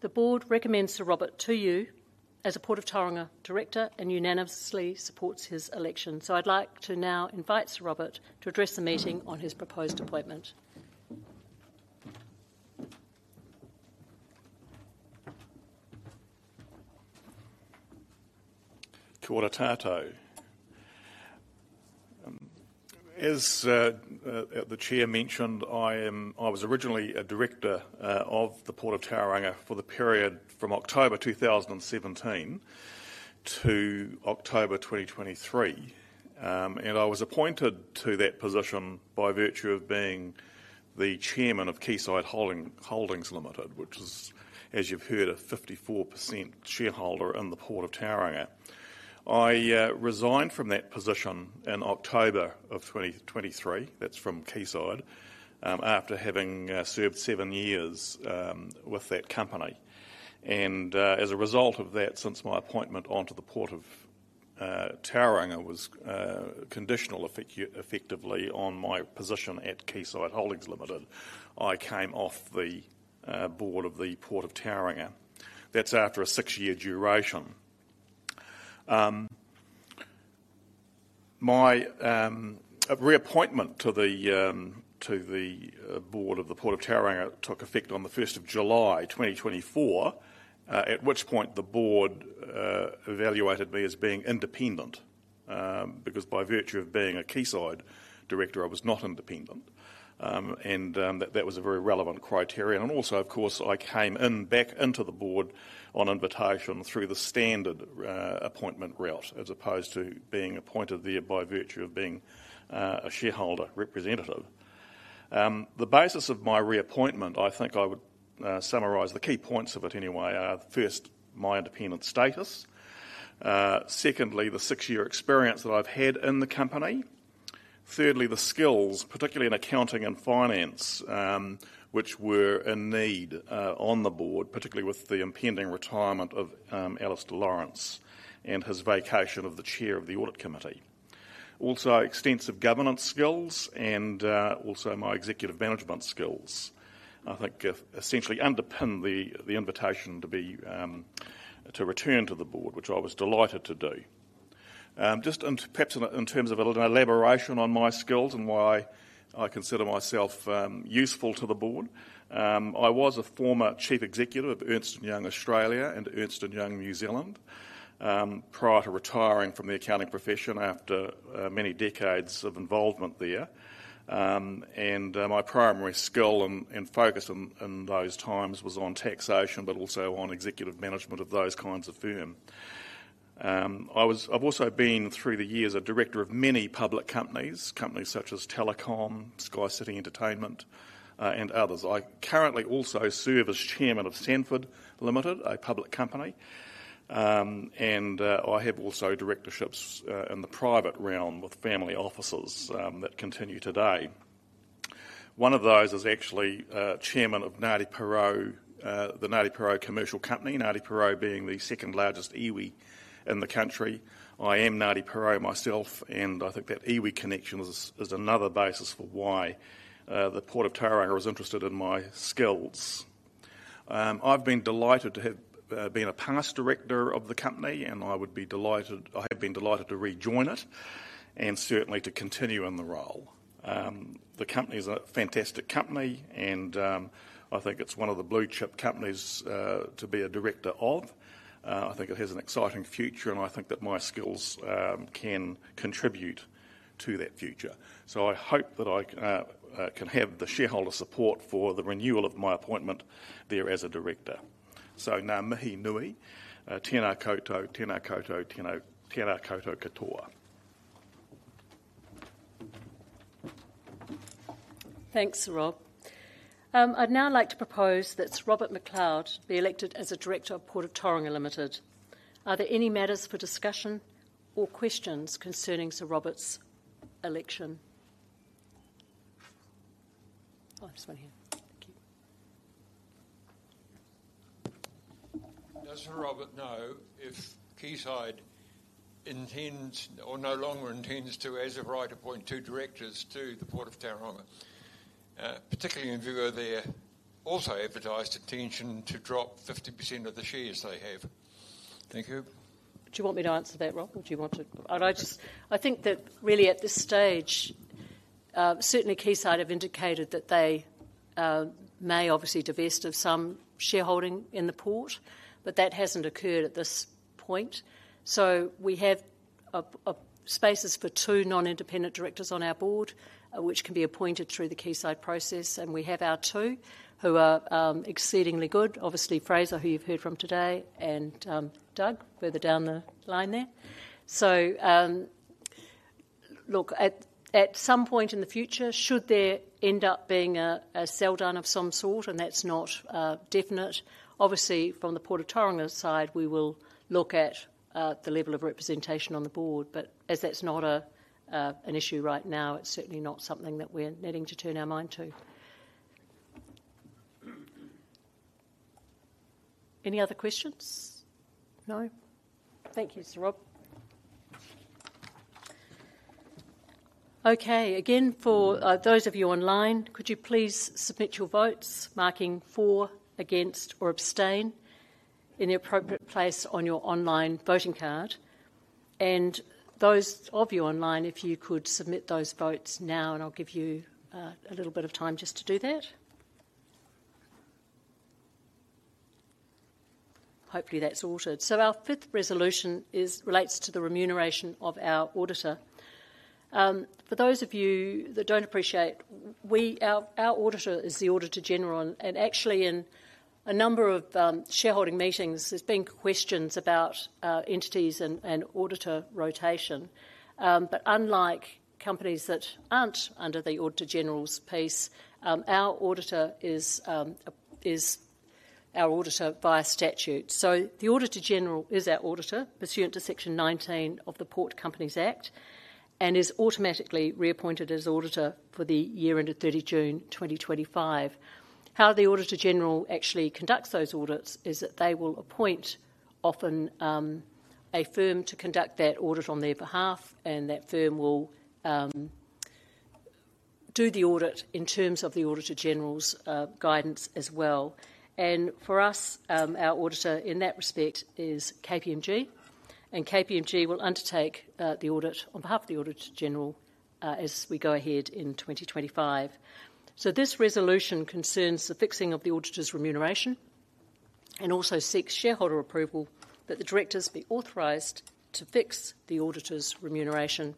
The board recommends Sir Robert to you as a Port of Tauranga director and unanimously supports his election. So I'd like to now invite Sir Robert to address the meeting on his proposed appointment. Kia ora tatou. As the chair mentioned, I was originally a director of the Port of Tauranga for the period from October 2017 to October 2023, and I was appointed to that position by virtue of being the chairman of Quayside Holdings Limited, which is, as you've heard, a 54% shareholder in the Port of Tauranga. I resigned from that position in October 2023, that's from Quayside, after having served seven years with that company, and, as a result of that, since my appointment onto the Port of Tauranga was conditional effectively on my position at Quayside Holdings Limited, I came off the board of the Port of Tauranga. That's after a six-year duration. My reappointment to the board of the Port of Tauranga took effect on the first of July 2024, at which point the board evaluated me as being independent. Because by virtue of being a Quayside director, I was not independent, and that was a very relevant criterion. And also, of course, I came back into the board on invitation through the standard appointment route, as opposed to being appointed there by virtue of being a shareholder representative. The basis of my reappointment, I think I would summarize the key points of it anyway, are first, my independent status. Secondly, the six-year experience that I've had in the company. Thirdly, the skills, particularly in accounting and finance, which were in need on the board, particularly with the impending retirement of Alastair Lawrence and his vacation of the chair of the audit committee. Also, extensive governance skills and also my executive management skills, I think, essentially underpin the invitation to be to return to the board, which I was delighted to do. Just in, perhaps, in terms of an elaboration on my skills and why I consider myself useful to the board. I was a former Chief Executive of Ernst & Young Australia and Ernst & Young New Zealand, prior to retiring from the accounting profession after many decades of involvement there. And my primary skill and focus in those times was on taxation, but also on executive management of those kinds of firm. I've also been, through the years, a director of many public companies, companies such as Telecom, SkyCity Entertainment, and others. I currently also serve as chairman of Sanford Limited, a public company. And I have also directorships in the private realm with family offices that continue today. One of those is actually chairman of Ngati Porou, the Ngati Porou Commercial Company, Ngati Porou being the second largest iwi in the country. I am Ngati Porou myself, and I think that iwi connection is another basis for why the Port of Tauranga is interested in my skills. I've been delighted to have been a past director of the company, and I would be delighted. I have been delighted to rejoin it and certainly to continue in the role. The company is a fantastic company, and I think it's one of the blue-chip companies to be a director of. I think it has an exciting future, and I think that my skills can contribute to that future. So I hope that I can have the shareholder support for the renewal of my appointment there as a director. So ngā mihi nui. Tēnā koutou, tēnā koutou, tēnā, tēnā koutou katoa. Thanks, Sir Rob. I'd now like to propose that Sir Robert McLeod be elected as a director of Port of Tauranga Limited. Are there any matters for discussion or questions concerning Sir Robert's election? Oh, just one here. Thank you. Does Sir Robert know if Quayside intends or no longer intends to, as of right, appoint two directors to the Port of Tauranga, particularly in view of their also advertised intention to drop 50% of the shares they have? Thank you. Do you want me to answer that, Rob, or do you want to? I'd just, I think that really at this stage, certainly Quayside have indicated that they may obviously divest of some shareholding in the port, but that hasn't occurred at this point. So we have spaces for two non-independent directors on our board, which can be appointed through the Quayside process. And we have our two, who are exceedingly good. Obviously, Fraser, who you've heard from today, and Doug, further down the line there. So look, at some point in the future, should there end up being a sell-down of some sort, and that's not definite, obviously, from the Port of Tauranga side, we will look at the level of representation on the board. But as that's not a, an issue right now, it's certainly not something that we're needing to turn our mind to. Any other questions? No. Thank you, Sir Rob. Okay, again, for those of you online, could you please submit your votes, marking for, against, or abstain in the appropriate place on your online voting card. And those of you online, if you could submit those votes now, and I'll give you, a little bit of time just to do that. Hopefully, that's sorted. So our fifth resolution relates to the remuneration of our auditor. For those of you that don't appreciate, our auditor is the Auditor General, and actually, in a number of shareholding meetings, there's been questions about entities and auditor rotation. But unlike companies that aren't under the Auditor-General's purview, our auditor is our auditor via statute. So the Auditor-General is our auditor, pursuant to Section 19 of the Port Companies Act, and is automatically reappointed as auditor for the year ended 30 June 2025. How the Auditor-General actually conducts those audits is that they will appoint, often, a firm to conduct that audit on their behalf, and that firm will do the audit in terms of the Auditor-General's guidance as well. And for us, our auditor, in that respect, is KPMG, and KPMG will undertake the audit on behalf of the Auditor-General as we go ahead in 2025. So this resolution concerns the fixing of the auditor's remuneration and also seeks shareholder approval that the directors be authorized to fix the auditor's remuneration.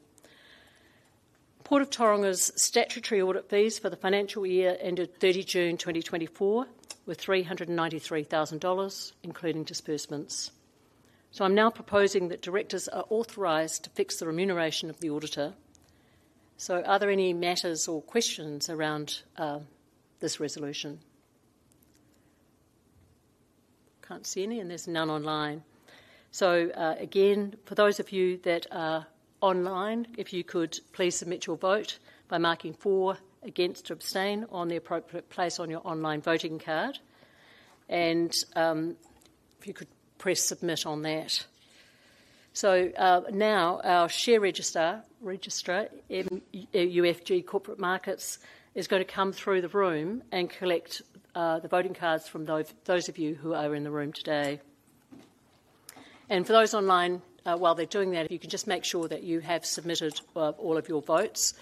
Port of Tauranga's statutory audit fees for the financial year ended 30 June 2024 were 393,000 dollars, including disbursements. So I'm now proposing that directors are authorized to fix the remuneration of the auditor. So are there any matters or questions around this resolution? Can't see any, and there's none online. So, again, for those of you that are online, if you could please submit your vote by marking for, against, or abstain on the appropriate place on your online voting card. And, if you could press submit on that. Now, our share registrar in MUFG Corporate Markets is going to come through the room and collect the voting cards from those of you who are in the room today. For those online, while they're doing that, if you can just make sure that you have submitted all of your votes.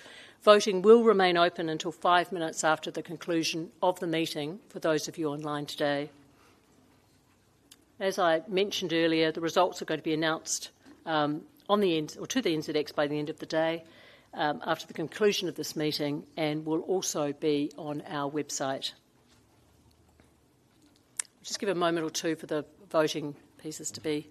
Voting will remain open until five minutes after the conclusion of the meeting for those of you online today. As I mentioned earlier, the results are going to be announced to the NZX by the end of the day after the conclusion of this meeting, and will also be on our website. Just give a moment or two for the voting pieces to be...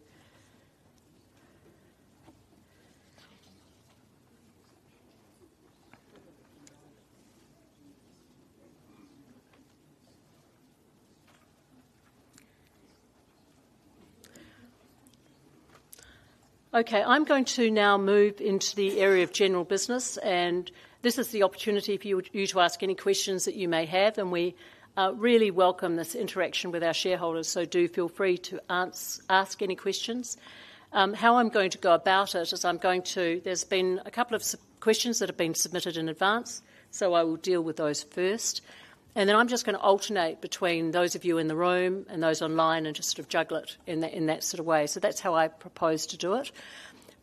Okay, I'm going to now move into the area of general business, and this is the opportunity for you to ask any questions that you may have, and we really welcome this interaction with our shareholders, so do feel free to ask any questions. How I'm going to go about it is I'm going to. There's been a couple of questions that have been submitted in advance, so I will deal with those first. And then I'm just going to alternate between those of you in the room and those online, and just sort of juggle it in that sort of way. So that's how I propose to do it.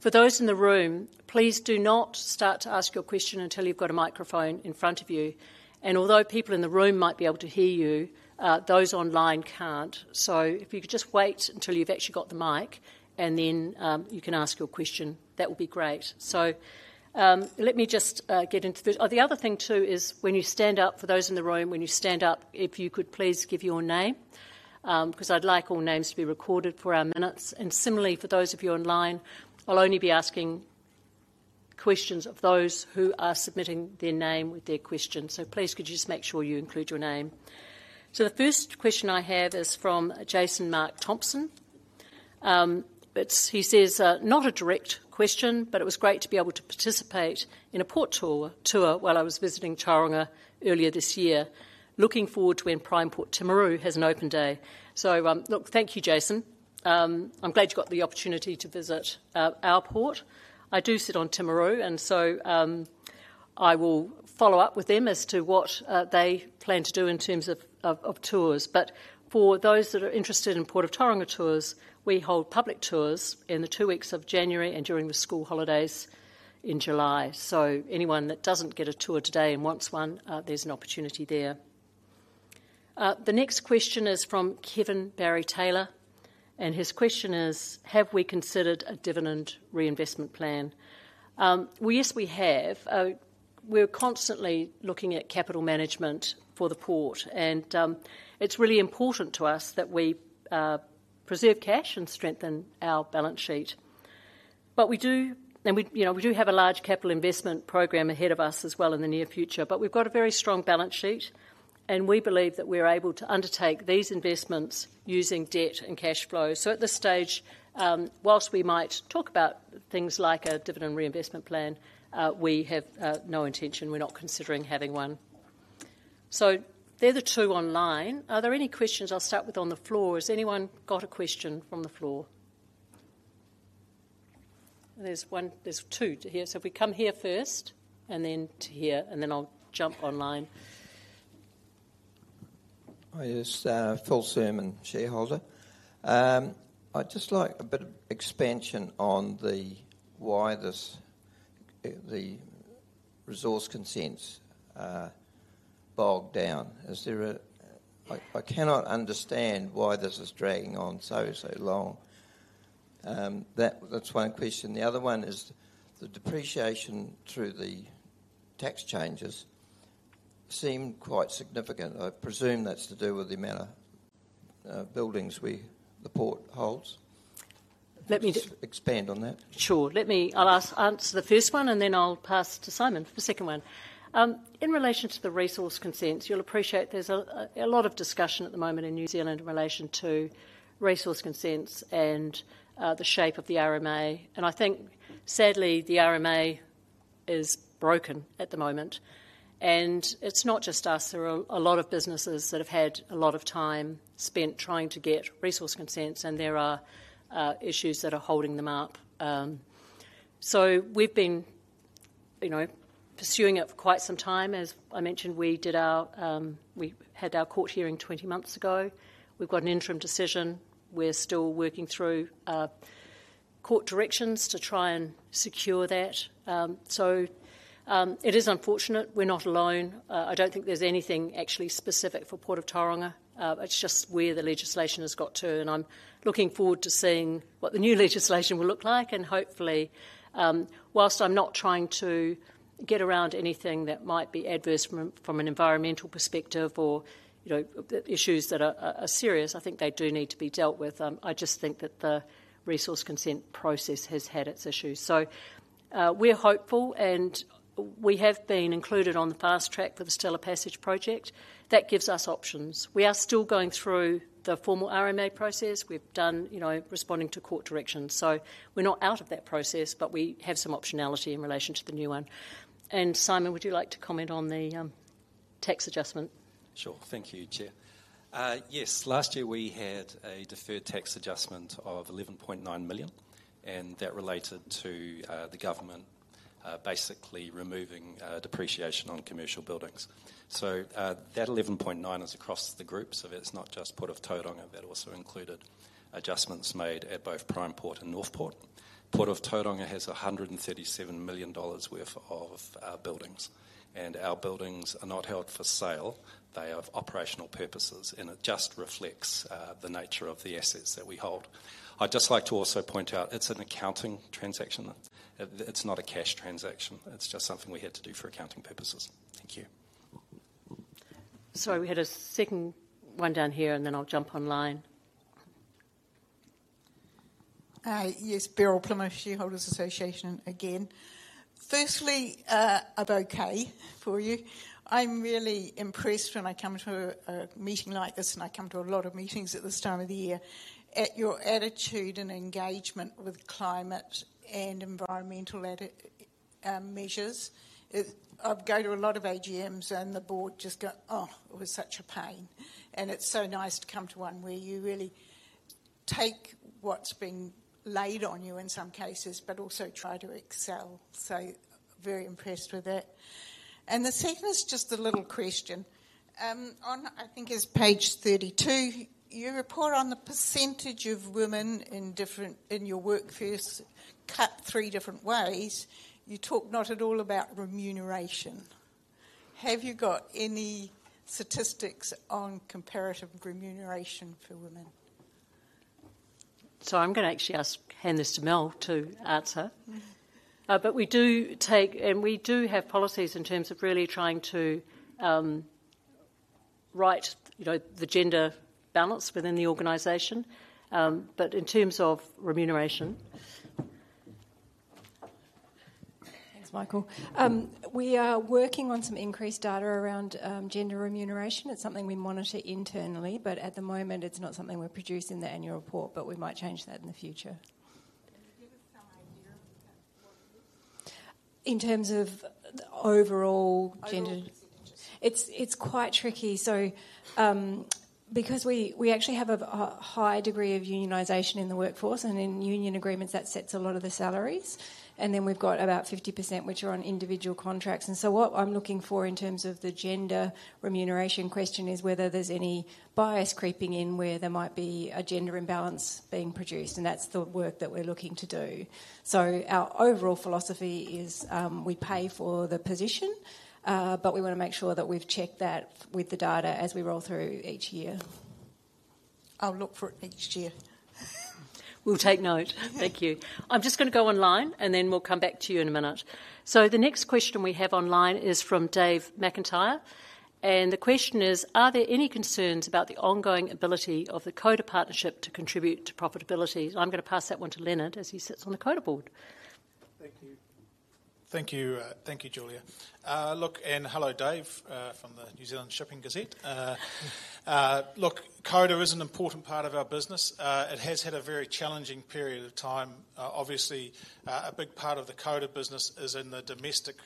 For those in the room, please do not start to ask your question until you've got a microphone in front of you. And although people in the room might be able to hear you, those online can't. So if you could just wait until you've actually got the mic, and then you can ask your question, that would be great. Oh, the other thing, too, is when you stand up, for those in the room, when you stand up, if you could please give your name, because I'd like all names to be recorded for our minutes. And similarly, for those of you online, I'll only be asking questions of those who are submitting their name with their question. So please, could you just make sure you include your name. So the first question I have is from Jason Mark Thompson. It's he says, "Not a direct question, but it was great to be able to participate in a port tour while I was visiting Tauranga earlier this year. Looking forward to when PrimePort Timaru has an open day." So, look, thank you, Jason. I'm glad you got the opportunity to visit our port. I do sit on Timaru, and so I will follow up with them as to what they plan to do in terms of tours. But for those that are interested in Port of Tauranga tours, we hold public tours in the two weeks of January and during the school holidays in July. So anyone that doesn't get a tour today and wants one, there's an opportunity there. The next question is from Kevin Barry Taylor, and his question is: have we considered a dividend reinvestment plan? Well, yes, we have. We're constantly looking at capital management for the port, and, it's really important to us that we, preserve cash and strengthen our balance sheet. But we do, and we, you know, we do have a large capital investment program ahead of us as well in the near future, but we've got a very strong balance sheet, and we believe that we're able to undertake these investments using debt and cash flow. So at this stage, while we might talk about things like a dividend reinvestment plan, we have, no intention. We're not considering having one. So they're the two online. Are there any questions? I'll start with on the floor? Has anyone got a question from the floor? There's two here. So if we come here first, and then to here, and then I'll jump online. Hi, yes, Phil Sermon, shareholder. I'd just like a bit of expansion on the, why this, the resource consents are bogged down. Is there a... I cannot understand why this is dragging on so long. That's one question. The other one is, the depreciation through the tax changes seem quite significant. I presume that's to do with the amount of, buildings we, the port holds. Let me just- Expand on that. Sure. Let me answer the first one, and then I'll pass to Simon for the second one. In relation to the resource consents, you'll appreciate there's a lot of discussion at the moment in New Zealand in relation to resource consents and the shape of the RMA. I think, sadly, the RMA is broken at the moment, and it's not just us. There are a lot of businesses that have had a lot of time spent trying to get resource consents, and there are issues that are holding them up. So we've been, you know, pursuing it for quite some time. As I mentioned, we had our court hearing 20 months ago. We've got an interim decision. We're still working through court directions to try and secure that. It is unfortunate. We're not alone. I don't think there's anything actually specific for Port of Tauranga. It's just where the legislation has got to, and I'm looking forward to seeing what the new legislation will look like, and hopefully, whilst I'm not trying to get around anything that might be adverse from an environmental perspective or, you know, issues that are serious, I think they do need to be dealt with. I just think that the resource consent process has had its issues. So, we're hopeful, and we have been included on the fast track for the Stella Passage project. That gives us options. We are still going through the formal RMA process. We've done, you know, responding to court directions, so we're not out of that process, but we have some optionality in relation to the new one. Simon, would you like to comment on the tax adjustment? Sure. Thank you, Chair. Yes, last year, we had a deferred tax adjustment of 11.9 million, and that related to the government basically removing depreciation on commercial buildings. So, that 11.9 is across the group, so it's not just Port of Tauranga. That also included adjustments made at both PrimePort and Northport. Port of Tauranga has 137 million dollars worth of buildings, and our buildings are not held for sale. They have operational purposes, and it just reflects the nature of the assets that we hold. I'd just like to also point out, it's an accounting transaction. It's not a cash transaction. It's just something we had to do for accounting purposes. Thank you. Sorry, we had a second one down here, and then I'll jump online. Yes, Beryl Plimmer, Shareholders Association again. Firstly, a bouquet for you. I'm really impressed when I come to a meeting like this, and I come to a lot of meetings at this time of the year, at your attitude and engagement with climate and environmental measures. I go to a lot of AGMs, and the board just go, "Oh, it was such a pain." And it's so nice to come to one where you really take what's been laid on you in some cases, but also try to excel. So very impressed with that. And the second is just a little question. On, I think it's page 32, you report on the percentage of women in different, in your workforce, cut three different ways. You talk not at all about remuneration. Have you got any statistics on comparative remuneration for women? So I'm going to actually ask, hand this to Mel to answer. But we do take, and we do have policies in terms of really trying to right, you know, the gender balance within the organization. But in terms of remuneration- Thanks, Michael. We are working on some increased data around gender remuneration. It's something we monitor internally, but at the moment it's not something we produce in the annual report, but we might change that in the future. Can you give us some idea of what it is? In terms of overall gender- Overall percentages. It's quite tricky. So, because we actually have a high degree of unionization in the workforce, and in union agreements, that sets a lot of the salaries, and then we've got about 50%, which are on individual contracts, and so what I'm looking for in terms of the gender remuneration question is whether there's any bias creeping in, where there might be a gender imbalance being produced, and that's the work that we're looking to do. Our overall philosophy is, we pay for the position, but we want to make sure that we've checked that with the data as we roll through each year.... I'll look for it next year. We'll take note. Yeah. Thank you. I'm just gonna go online, and then we'll come back to you in a minute. So the next question we have online is from Dave McIntyre, and the question is: Are there any concerns about the ongoing ability of the CODA partnership to contribute to profitability? I'm gonna pass that one to Leonard, as he sits on the CODA board. Thank you, Julia. Look, and hello, Dave, from the New Zealand Shipping Gazette. Look, Coda is an important part of our business. It has had a very challenging period of time. Obviously, a big part of the Coda business is in the domestic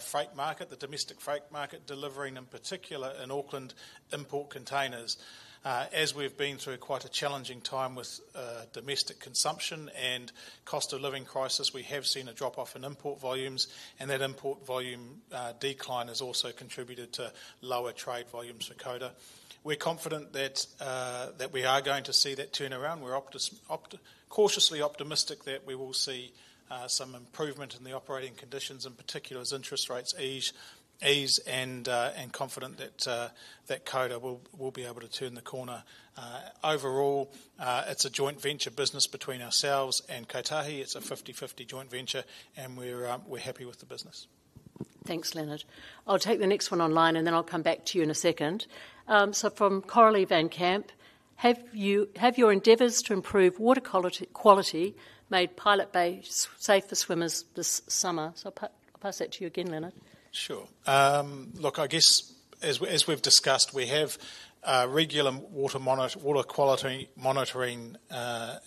freight market, delivering, in particular, in Auckland, import containers. As we've been through quite a challenging time with domestic consumption and cost-of-living crisis, we have seen a drop-off in import volumes, and that import volume decline has also contributed to lower trade volumes for Coda. We're confident that we are going to see that turn around. We're cautiously optimistic that we will see some improvement in the operating conditions, in particular, as interest rates ease and confident that CODA will be able to turn the corner. Overall, it's a joint venture business between ourselves and Kotahi. It's a fifty-fifty joint venture, and we're happy with the business. Thanks, Leonard. I'll take the next one online, and then I'll come back to you in a second. So from Coralie van Kamp: "Have your endeavors to improve water quality made Pilot Bay safe for swimmers this summer?" So I'll pass that to you again, Leonard. Sure. Look, I guess as we've discussed, we have regular water quality monitoring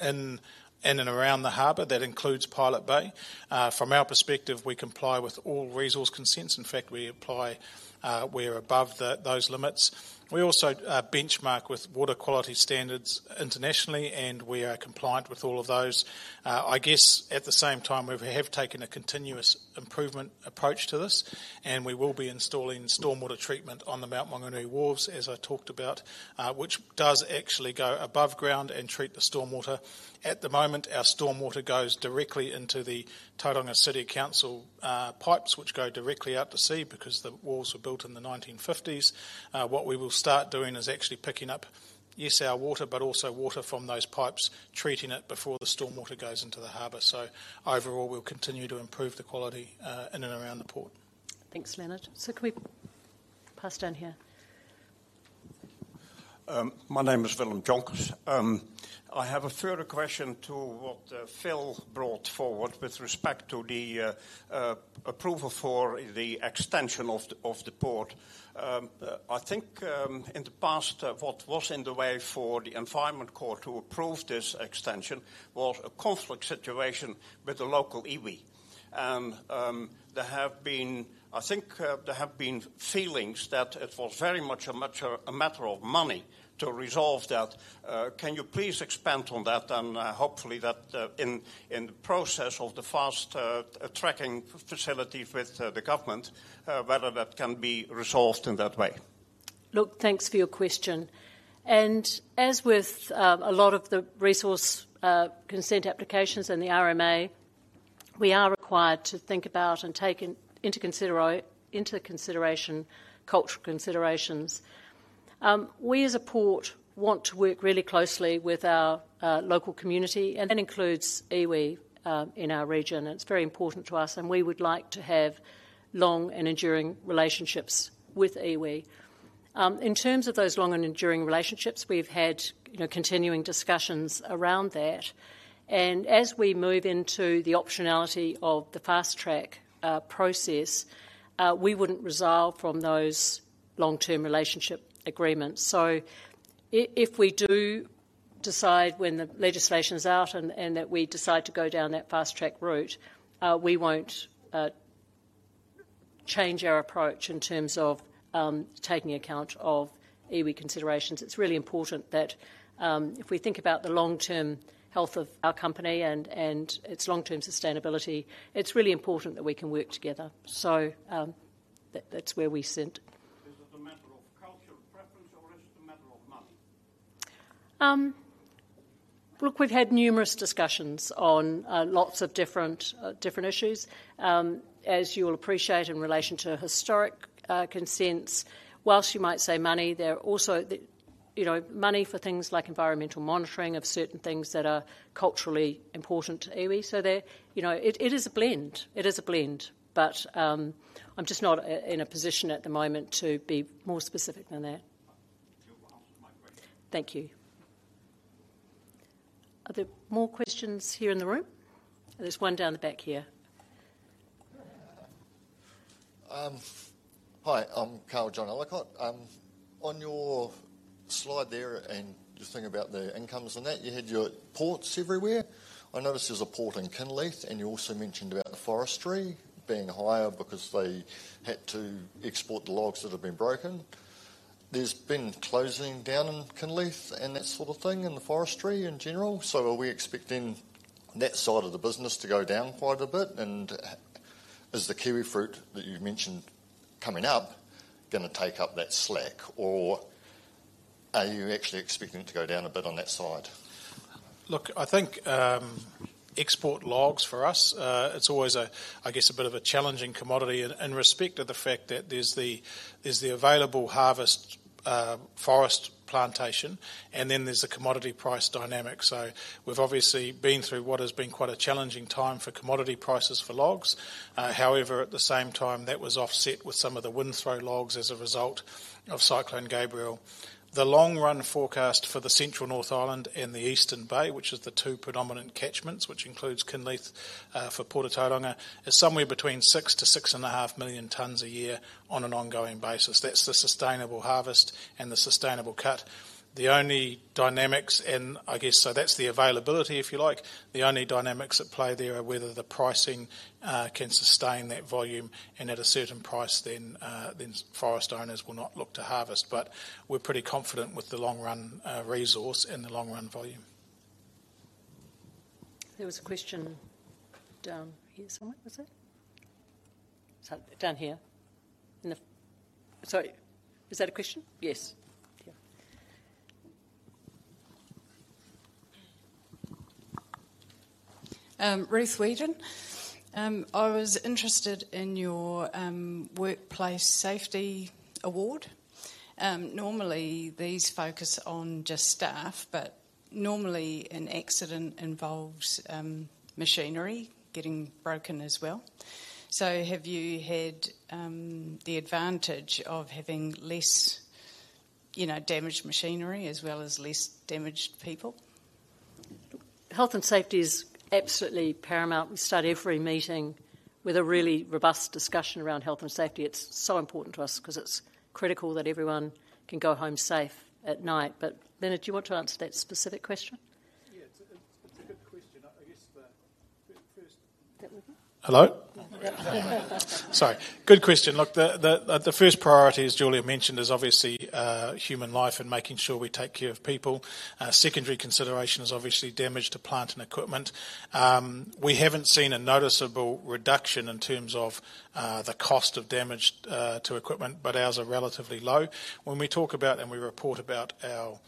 in and around the harbor. That includes Pilot Bay. From our perspective, we comply with all resource consents. In fact, we apply, we're above those limits. We also benchmark with water quality standards internationally, and we are compliant with all of those. I guess, at the same time, we have taken a continuous improvement approach to this, and we will be installing stormwater treatment on the Mount Maunganui wharves, as I talked about, which does actually go above ground and treat the stormwater. At the moment, our stormwater goes directly into the Tauranga City Council pipes, which go directly out to sea, because the wharves were built in the nineteen fifties. What we will start doing is actually picking up, yes, our water, but also water from those pipes, treating it before the stormwater goes into the harbor. So overall, we'll continue to improve the quality in and around the port. Thanks, Leonard. So can we pass down here? My name is Willem Jonkers. I have a further question to what Phil brought forward with respect to the approval for the extension of the port. I think in the past what was in the way for the Environment Court to approve this extension was a conflict situation with the local iwi. There have been feelings that it was very much a matter of money to resolve that. Can you please expand on that, and hopefully that in the process of the fast-tracking facility with the government whether that can be resolved in that way. Look, thanks for your question. And as with a lot of the resource consent applications in the RMA, we are required to think about and take into consideration cultural considerations. We, as a port, want to work really closely with our local community, and that includes iwi in our region, and it's very important to us, and we would like to have long and enduring relationships with iwi. In terms of those long and enduring relationships, we've had, you know, continuing discussions around that, and as we move into the optionality of the fast-track process, we wouldn't resile from those long-term relationship agreements. So if we do decide when the legislation is out and that we decide to go down that fast-track route, we won't change our approach in terms of taking account of iwi considerations. It's really important that if we think about the long-term health of our company and its long-term sustainability, it's really important that we can work together. So that's where we sit. Is it a matter of cultural preference, or is it a matter of money? Look, we've had numerous discussions on lots of different issues. As you will appreciate, in relation to historic consents, while you might say money, there are also, you know, money for things like environmental monitoring of certain things that are culturally important to iwi. So there, you know, it is a blend. It is a blend, but I'm just not in a position at the moment to be more specific than that. You've answered my question. Thank you. Are there more questions here in the room? There's one down the back here. Hi, I'm Carl John Ellicott. On your slide there, and you think about the incomes and that, you had your ports everywhere. I noticed there's a port in Kinleith, and you also mentioned about the forestry being higher because they had to export the logs that have been broken. There's been closing down in Kinleith and that sort of thing in the forestry in general, so are we expecting that side of the business to go down quite a bit? And is the kiwifruit that you mentioned coming up gonna take up that slack, or are you actually expecting it to go down a bit on that side?... Look, I think, export logs for us, it's always a, I guess, a bit of a challenging commodity in respect of the fact that there's the available harvest, forest plantation, and then there's the commodity price dynamic. So we've obviously been through what has been quite a challenging time for commodity prices for logs. However, at the same time, that was offset with some of the windthrow logs as a result of Cyclone Gabrielle. The long-run forecast for the central North Island and the Eastern Bay, which is the two predominant catchments, which includes Kinleith, for Port of Tauranga, is somewhere between six to six and a half million tonnes a year on an ongoing basis. That's the sustainable harvest and the sustainable cut. The only dynamics, and I guess, so that's the availability, if you like. The only dynamics at play there are whether the pricing can sustain that volume, and at a certain price, then forest owners will not look to harvest. But we're pretty confident with the long-run resource and the long-run volume. There was a question down here somewhere, was it? So down here. Sorry, is that a question? Yes. Yeah. Ruth Weedon. I was interested in your workplace safety award. Normally, these focus on just staff, but normally, an accident involves machinery getting broken as well. So have you had the advantage of having less, you know, damaged machinery as well as less damaged people? Health and safety is absolutely paramount. We start every meeting with a really robust discussion around health and safety. It's so important to us, 'cause it's critical that everyone can go home safe at night. But, Leonard, do you want to answer that specific question? Yeah, it's a good question. I guess the first- That way? Hello? Sorry. Good question. Look, the first priority, as Julia mentioned, is obviously human life and making sure we take care of people. Secondary consideration is obviously damage to plant and equipment. We haven't seen a noticeable reduction in terms of the cost of damage to equipment, but ours are relatively low. When we talk about and we report about our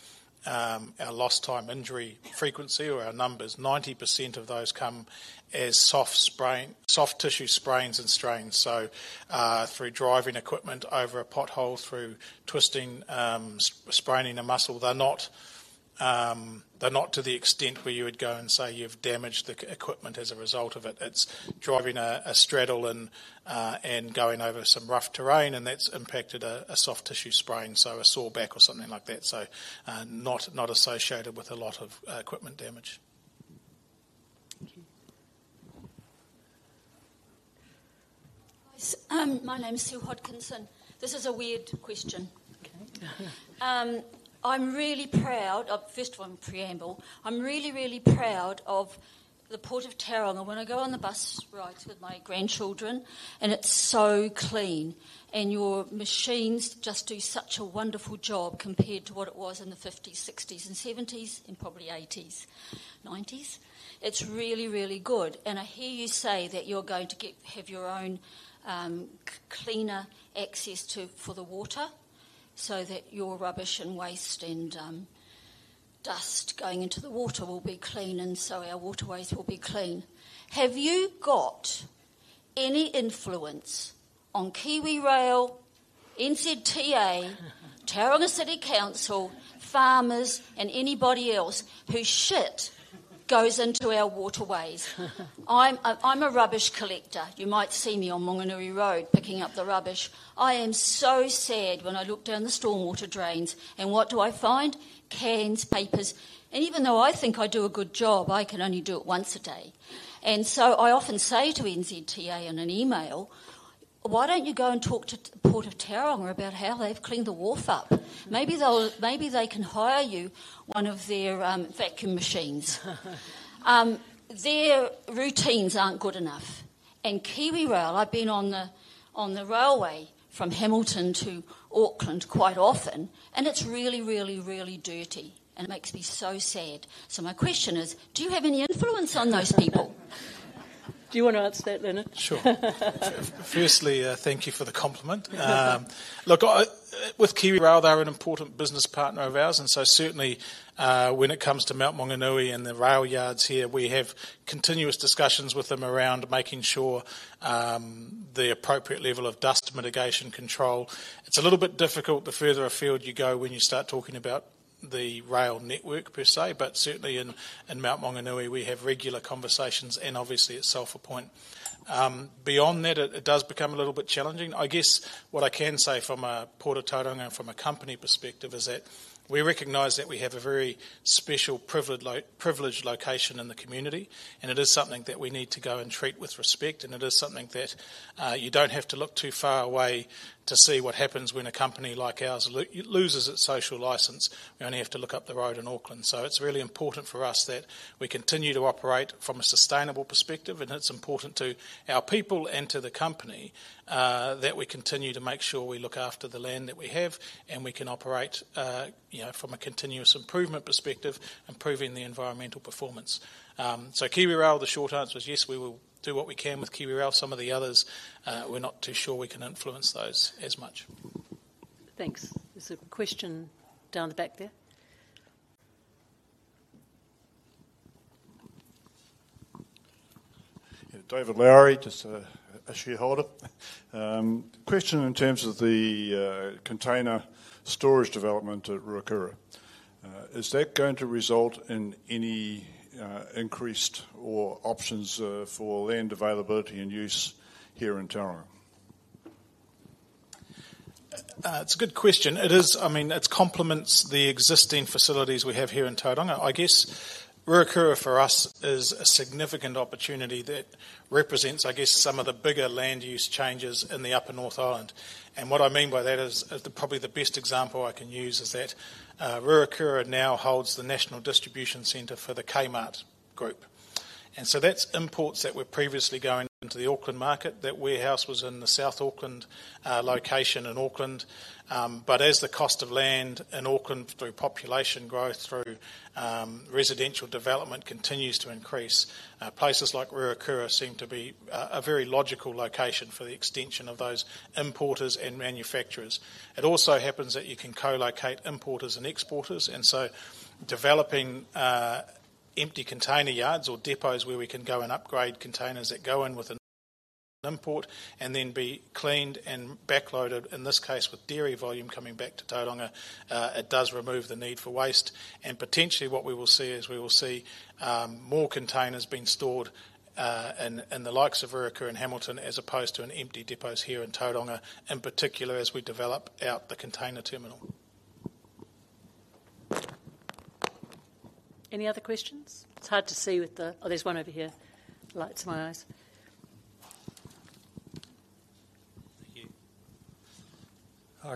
lost time injury frequency or our numbers, 90% of those come as soft sprain, soft tissue sprains and strains. So, through driving equipment over a pothole, through twisting, spraining a muscle, they're not to the extent where you would go and say you've damaged the equipment as a result of it. It's driving a straddle and going over some rough terrain, and that's impacted a soft tissue sprain, so a sore back or something like that. So, not associated with a lot of equipment damage. Thank you. My name is Sue Hodkinson. This is a weird question. Okay. I'm really proud. First of all, preamble. I'm really, really proud of the Port of Tauranga. When I go on the bus rides with my grandchildren, and it's so clean, and your machines just do such a wonderful job compared to what it was in the fifties, sixties, and seventies, and probably eighties, nineties. It's really, really good, and I hear you say that you're going to get, have your own, cleaner access to, for the water, so that your rubbish and waste and, dust going into the water will be clean, and so our waterways will be clean. Have you got any influence on KiwiRail, NZTA, Tauranga City Council, farmers, and anybody else whose shit goes into our waterways? I'm a rubbish collector. You might see me on Mount Maunganui Road, picking up the rubbish. I am so sad when I look down the stormwater drains, and what do I find? Cans, papers, and even though I think I do a good job, I can only do it once a day. And so I often say to NZTA in an email: "Why don't you go and talk to the Port of Tauranga about how they've cleaned the wharf up? Maybe they'll, maybe they can hire you one of their vacuum machines." Their routines aren't good enough. And KiwiRail, I've been on the, on the railway from Hamilton to Auckland quite often, and it's really, really, really dirty, and it makes me so sad. So my question is, do you have any influence on those people? Do you want to answer that, Leonard? Sure. Firstly, thank you for the compliment. Look, with KiwiRail, they're an important business partner of ours, and so certainly, when it comes to Mount Maunganui and the rail yards here, we have continuous discussions with them around making sure the appropriate level of dust mitigation control. It's a little bit difficult the further afield you go when you start talking about the rail network per se, but certainly in Mount Maunganui, we have regular conversations, and obviously, it's Sulphur Point. Beyond that, it does become a little bit challenging. I guess what I can say from a Port of Tauranga and from a company perspective is that we recognize that we have a very special, privileged location in the community, and it is something that we need to go and treat with respect, and it is something that you don't have to look too far away to see what happens when a company like ours loses its social license. We only have to look up the road in Auckland. So it's really important for us that we continue to operate from a sustainable perspective, and it's important to our people and to the company that we continue to make sure we look after the land that we have, and we can operate, you know, from a continuous improvement perspective, improving the environmental performance. KiwiRail, the short answer is yes, we will do what we can with KiwiRail. Some of the others, we're not too sure we can influence those as much.... Thanks. There's a question down the back there? David Lowry, just a shareholder. Question in terms of the container storage development at Ruakura. Is that going to result in any increased or options for land availability and use here in Tauranga? It's a good question. It is, I mean, it complements the existing facilities we have here in Tauranga. I guess, Ruakura, for us, is a significant opportunity that represents, I guess, some of the bigger land use changes in the upper North Island, and what I mean by that is that probably the best example I can use is that, Ruakura now holds the national distribution center for the Kmart Group. And so that's imports that were previously going into the Auckland market. That warehouse was in the South Auckland location in Auckland. But as the cost of land in Auckland through population growth, through residential development continues to increase, places like Ruakura seem to be a very logical location for the extension of those importers and manufacturers. It also happens that you can co-locate importers and exporters, and so developing empty container yards or depots where we can go and upgrade containers that go in with an import, and then be cleaned and backloaded, in this case, with dairy volume coming back to Tauranga, it does remove the need for waste. And potentially, what we will see is, more containers being stored in the likes of Ruakura and Hamilton, as opposed to in empty depots here in Tauranga, in particular, as we develop out the container terminal. Any other questions? It's hard to see with the... Oh, there's one over here. Lights in my eyes. Thank you.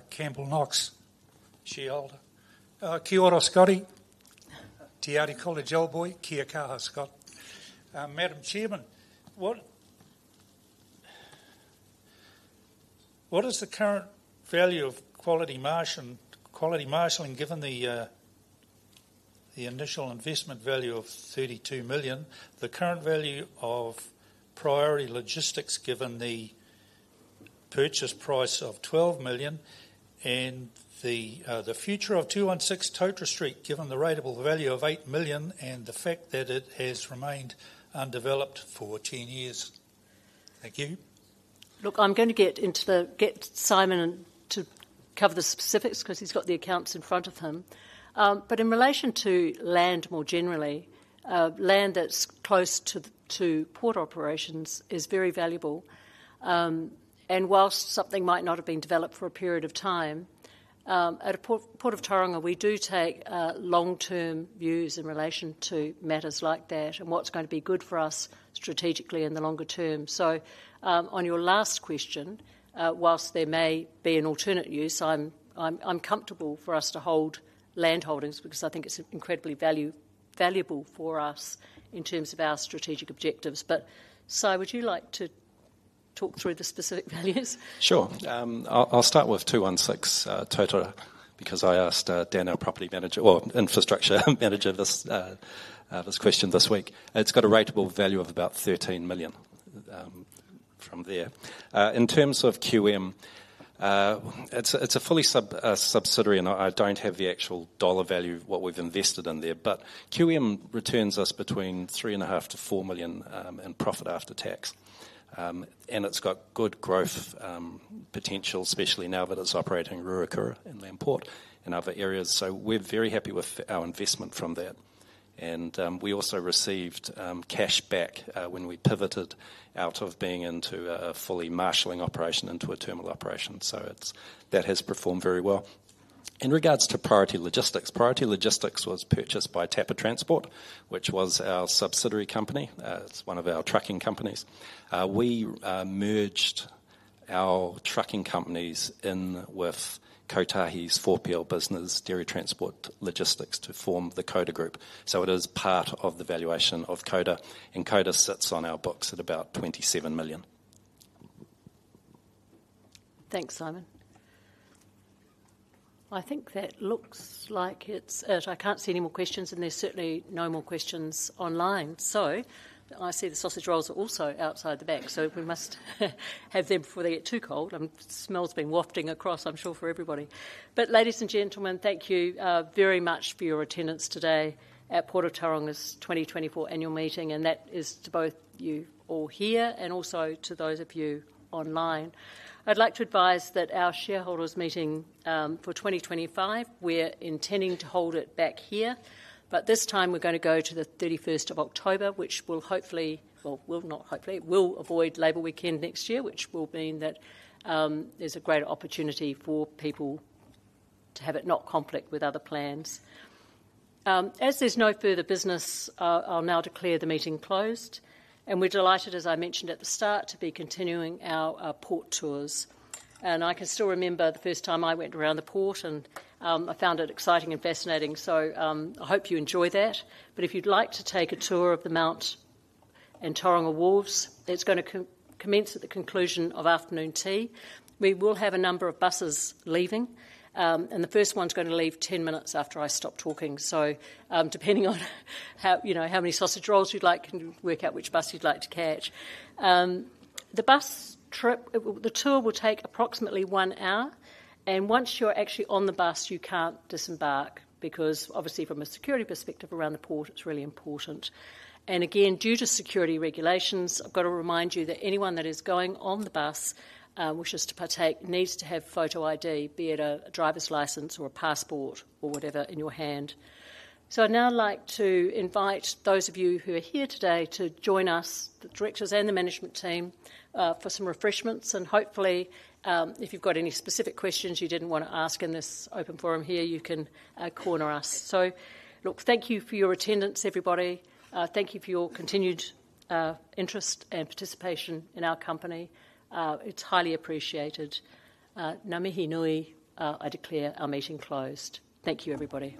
Campbell Knox, shareholder. kia ora, Scotty. Te Ariki, a Uawa boy. Kia kaha, Scott. Madam Chairman, what is the current value of Quality Marshalling, given the initial investment value of 32 million, the current value of Priority Logistics, given the purchase price of 12 million, and the future of 216 Totara Street, given the rateable value of 8 million and the fact that it has remained undeveloped for ten years? Thank you. Look, I'm going to get Simon to cover the specifics, 'cause he's got the accounts in front of him. But in relation to land, more generally, land that's close to the port operations is very valuable. And whilst something might not have been developed for a period of time, at Port of Tauranga, we do take long-term views in relation to matters like that and what's going to be good for us strategically in the longer term. So, on your last question, whilst there may be an alternate use, I'm comfortable for us to hold landholdings because I think it's incredibly valuable for us in terms of our strategic objectives. But, Si, would you like to talk through the specific values? Sure. I'll start with 216 Totara, because I asked Dan, our Property Manager, or Infrastructure Manager, this question this week. It's got a rateable value of about 13 million from there. In terms of QM, it's a fully subsidiary, and I don't have the actual dollar value of what we've invested in there. But QM returns us between 3.5-4 million in profit after tax. And it's got good growth potential, especially now that it's operating Ruakura and PrimePort and other areas. So we're very happy with our investment from that. And we also received cash back when we pivoted out of being into a fully marshaling operation into a terminal operation. So it's that has performed very well. In regards to Priority Logistics, Priority Logistics was purchased by Tapper Transport, which was our subsidiary company. It's one of our trucking companies. We merged our trucking companies in with Kotahi's 4PL business, Dairy Transport Logistics, to form the Coda Group. So it is part of the valuation of Coda, and Coda sits on our books at about 27 million. Thanks, Simon. I think that looks like it's it. I can't see any more questions, and there's certainly no more questions online. So I see the sausage rolls are also outside the back, so we must have them before they get too cold. Smells been wafting across, I'm sure, for everybody. But ladies and gentlemen, thank you, very much for your attendance today at Port of Tauranga's twenty twenty-four annual meeting, and that is to both you all here and also to those of you online. I'd like to advise that our shareholders' meeting, for twenty twenty-five, we're intending to hold it back here. But this time we're going to go to the thirty-first of October, which will hopefully avoid Labour Day weekend next year, which will mean that there's a greater opportunity for people to have it not conflict with other plans. As there's no further business, I'll now declare the meeting closed, and we're delighted, as I mentioned at the start, to be continuing our port tours. And I can still remember the first time I went around the port, and I found it exciting and fascinating. So, I hope you enjoy that. But if you'd like to take a tour of the Mount and Tauranga wharves, that's gonna commence at the conclusion of afternoon tea. We will have a number of buses leaving, and the first one's gonna leave 10 minutes after I stop talking. So, depending on how, you know, how many sausage rolls you'd like, you can work out which bus you'd like to catch. The tour will take approximately one hour, and once you're actually on the bus, you can't disembark, because obviously, from a security perspective around the port, it's really important. And again, due to security regulations, I've got to remind you that anyone that is going on the bus wishes to partake needs to have photo ID, be it a driver's license or a passport or whatever in your hand. So I'd now like to invite those of you who are here today to join us, the directors and the management team, for some refreshments. And hopefully, if you've got any specific questions you didn't want to ask in this open forum here, you can corner us. So look, thank you for your attendance, everybody. Thank you for your continued interest and participation in our company. It's highly appreciated. Ngā mihi nui, I declare our meeting closed. Thank you, everybody.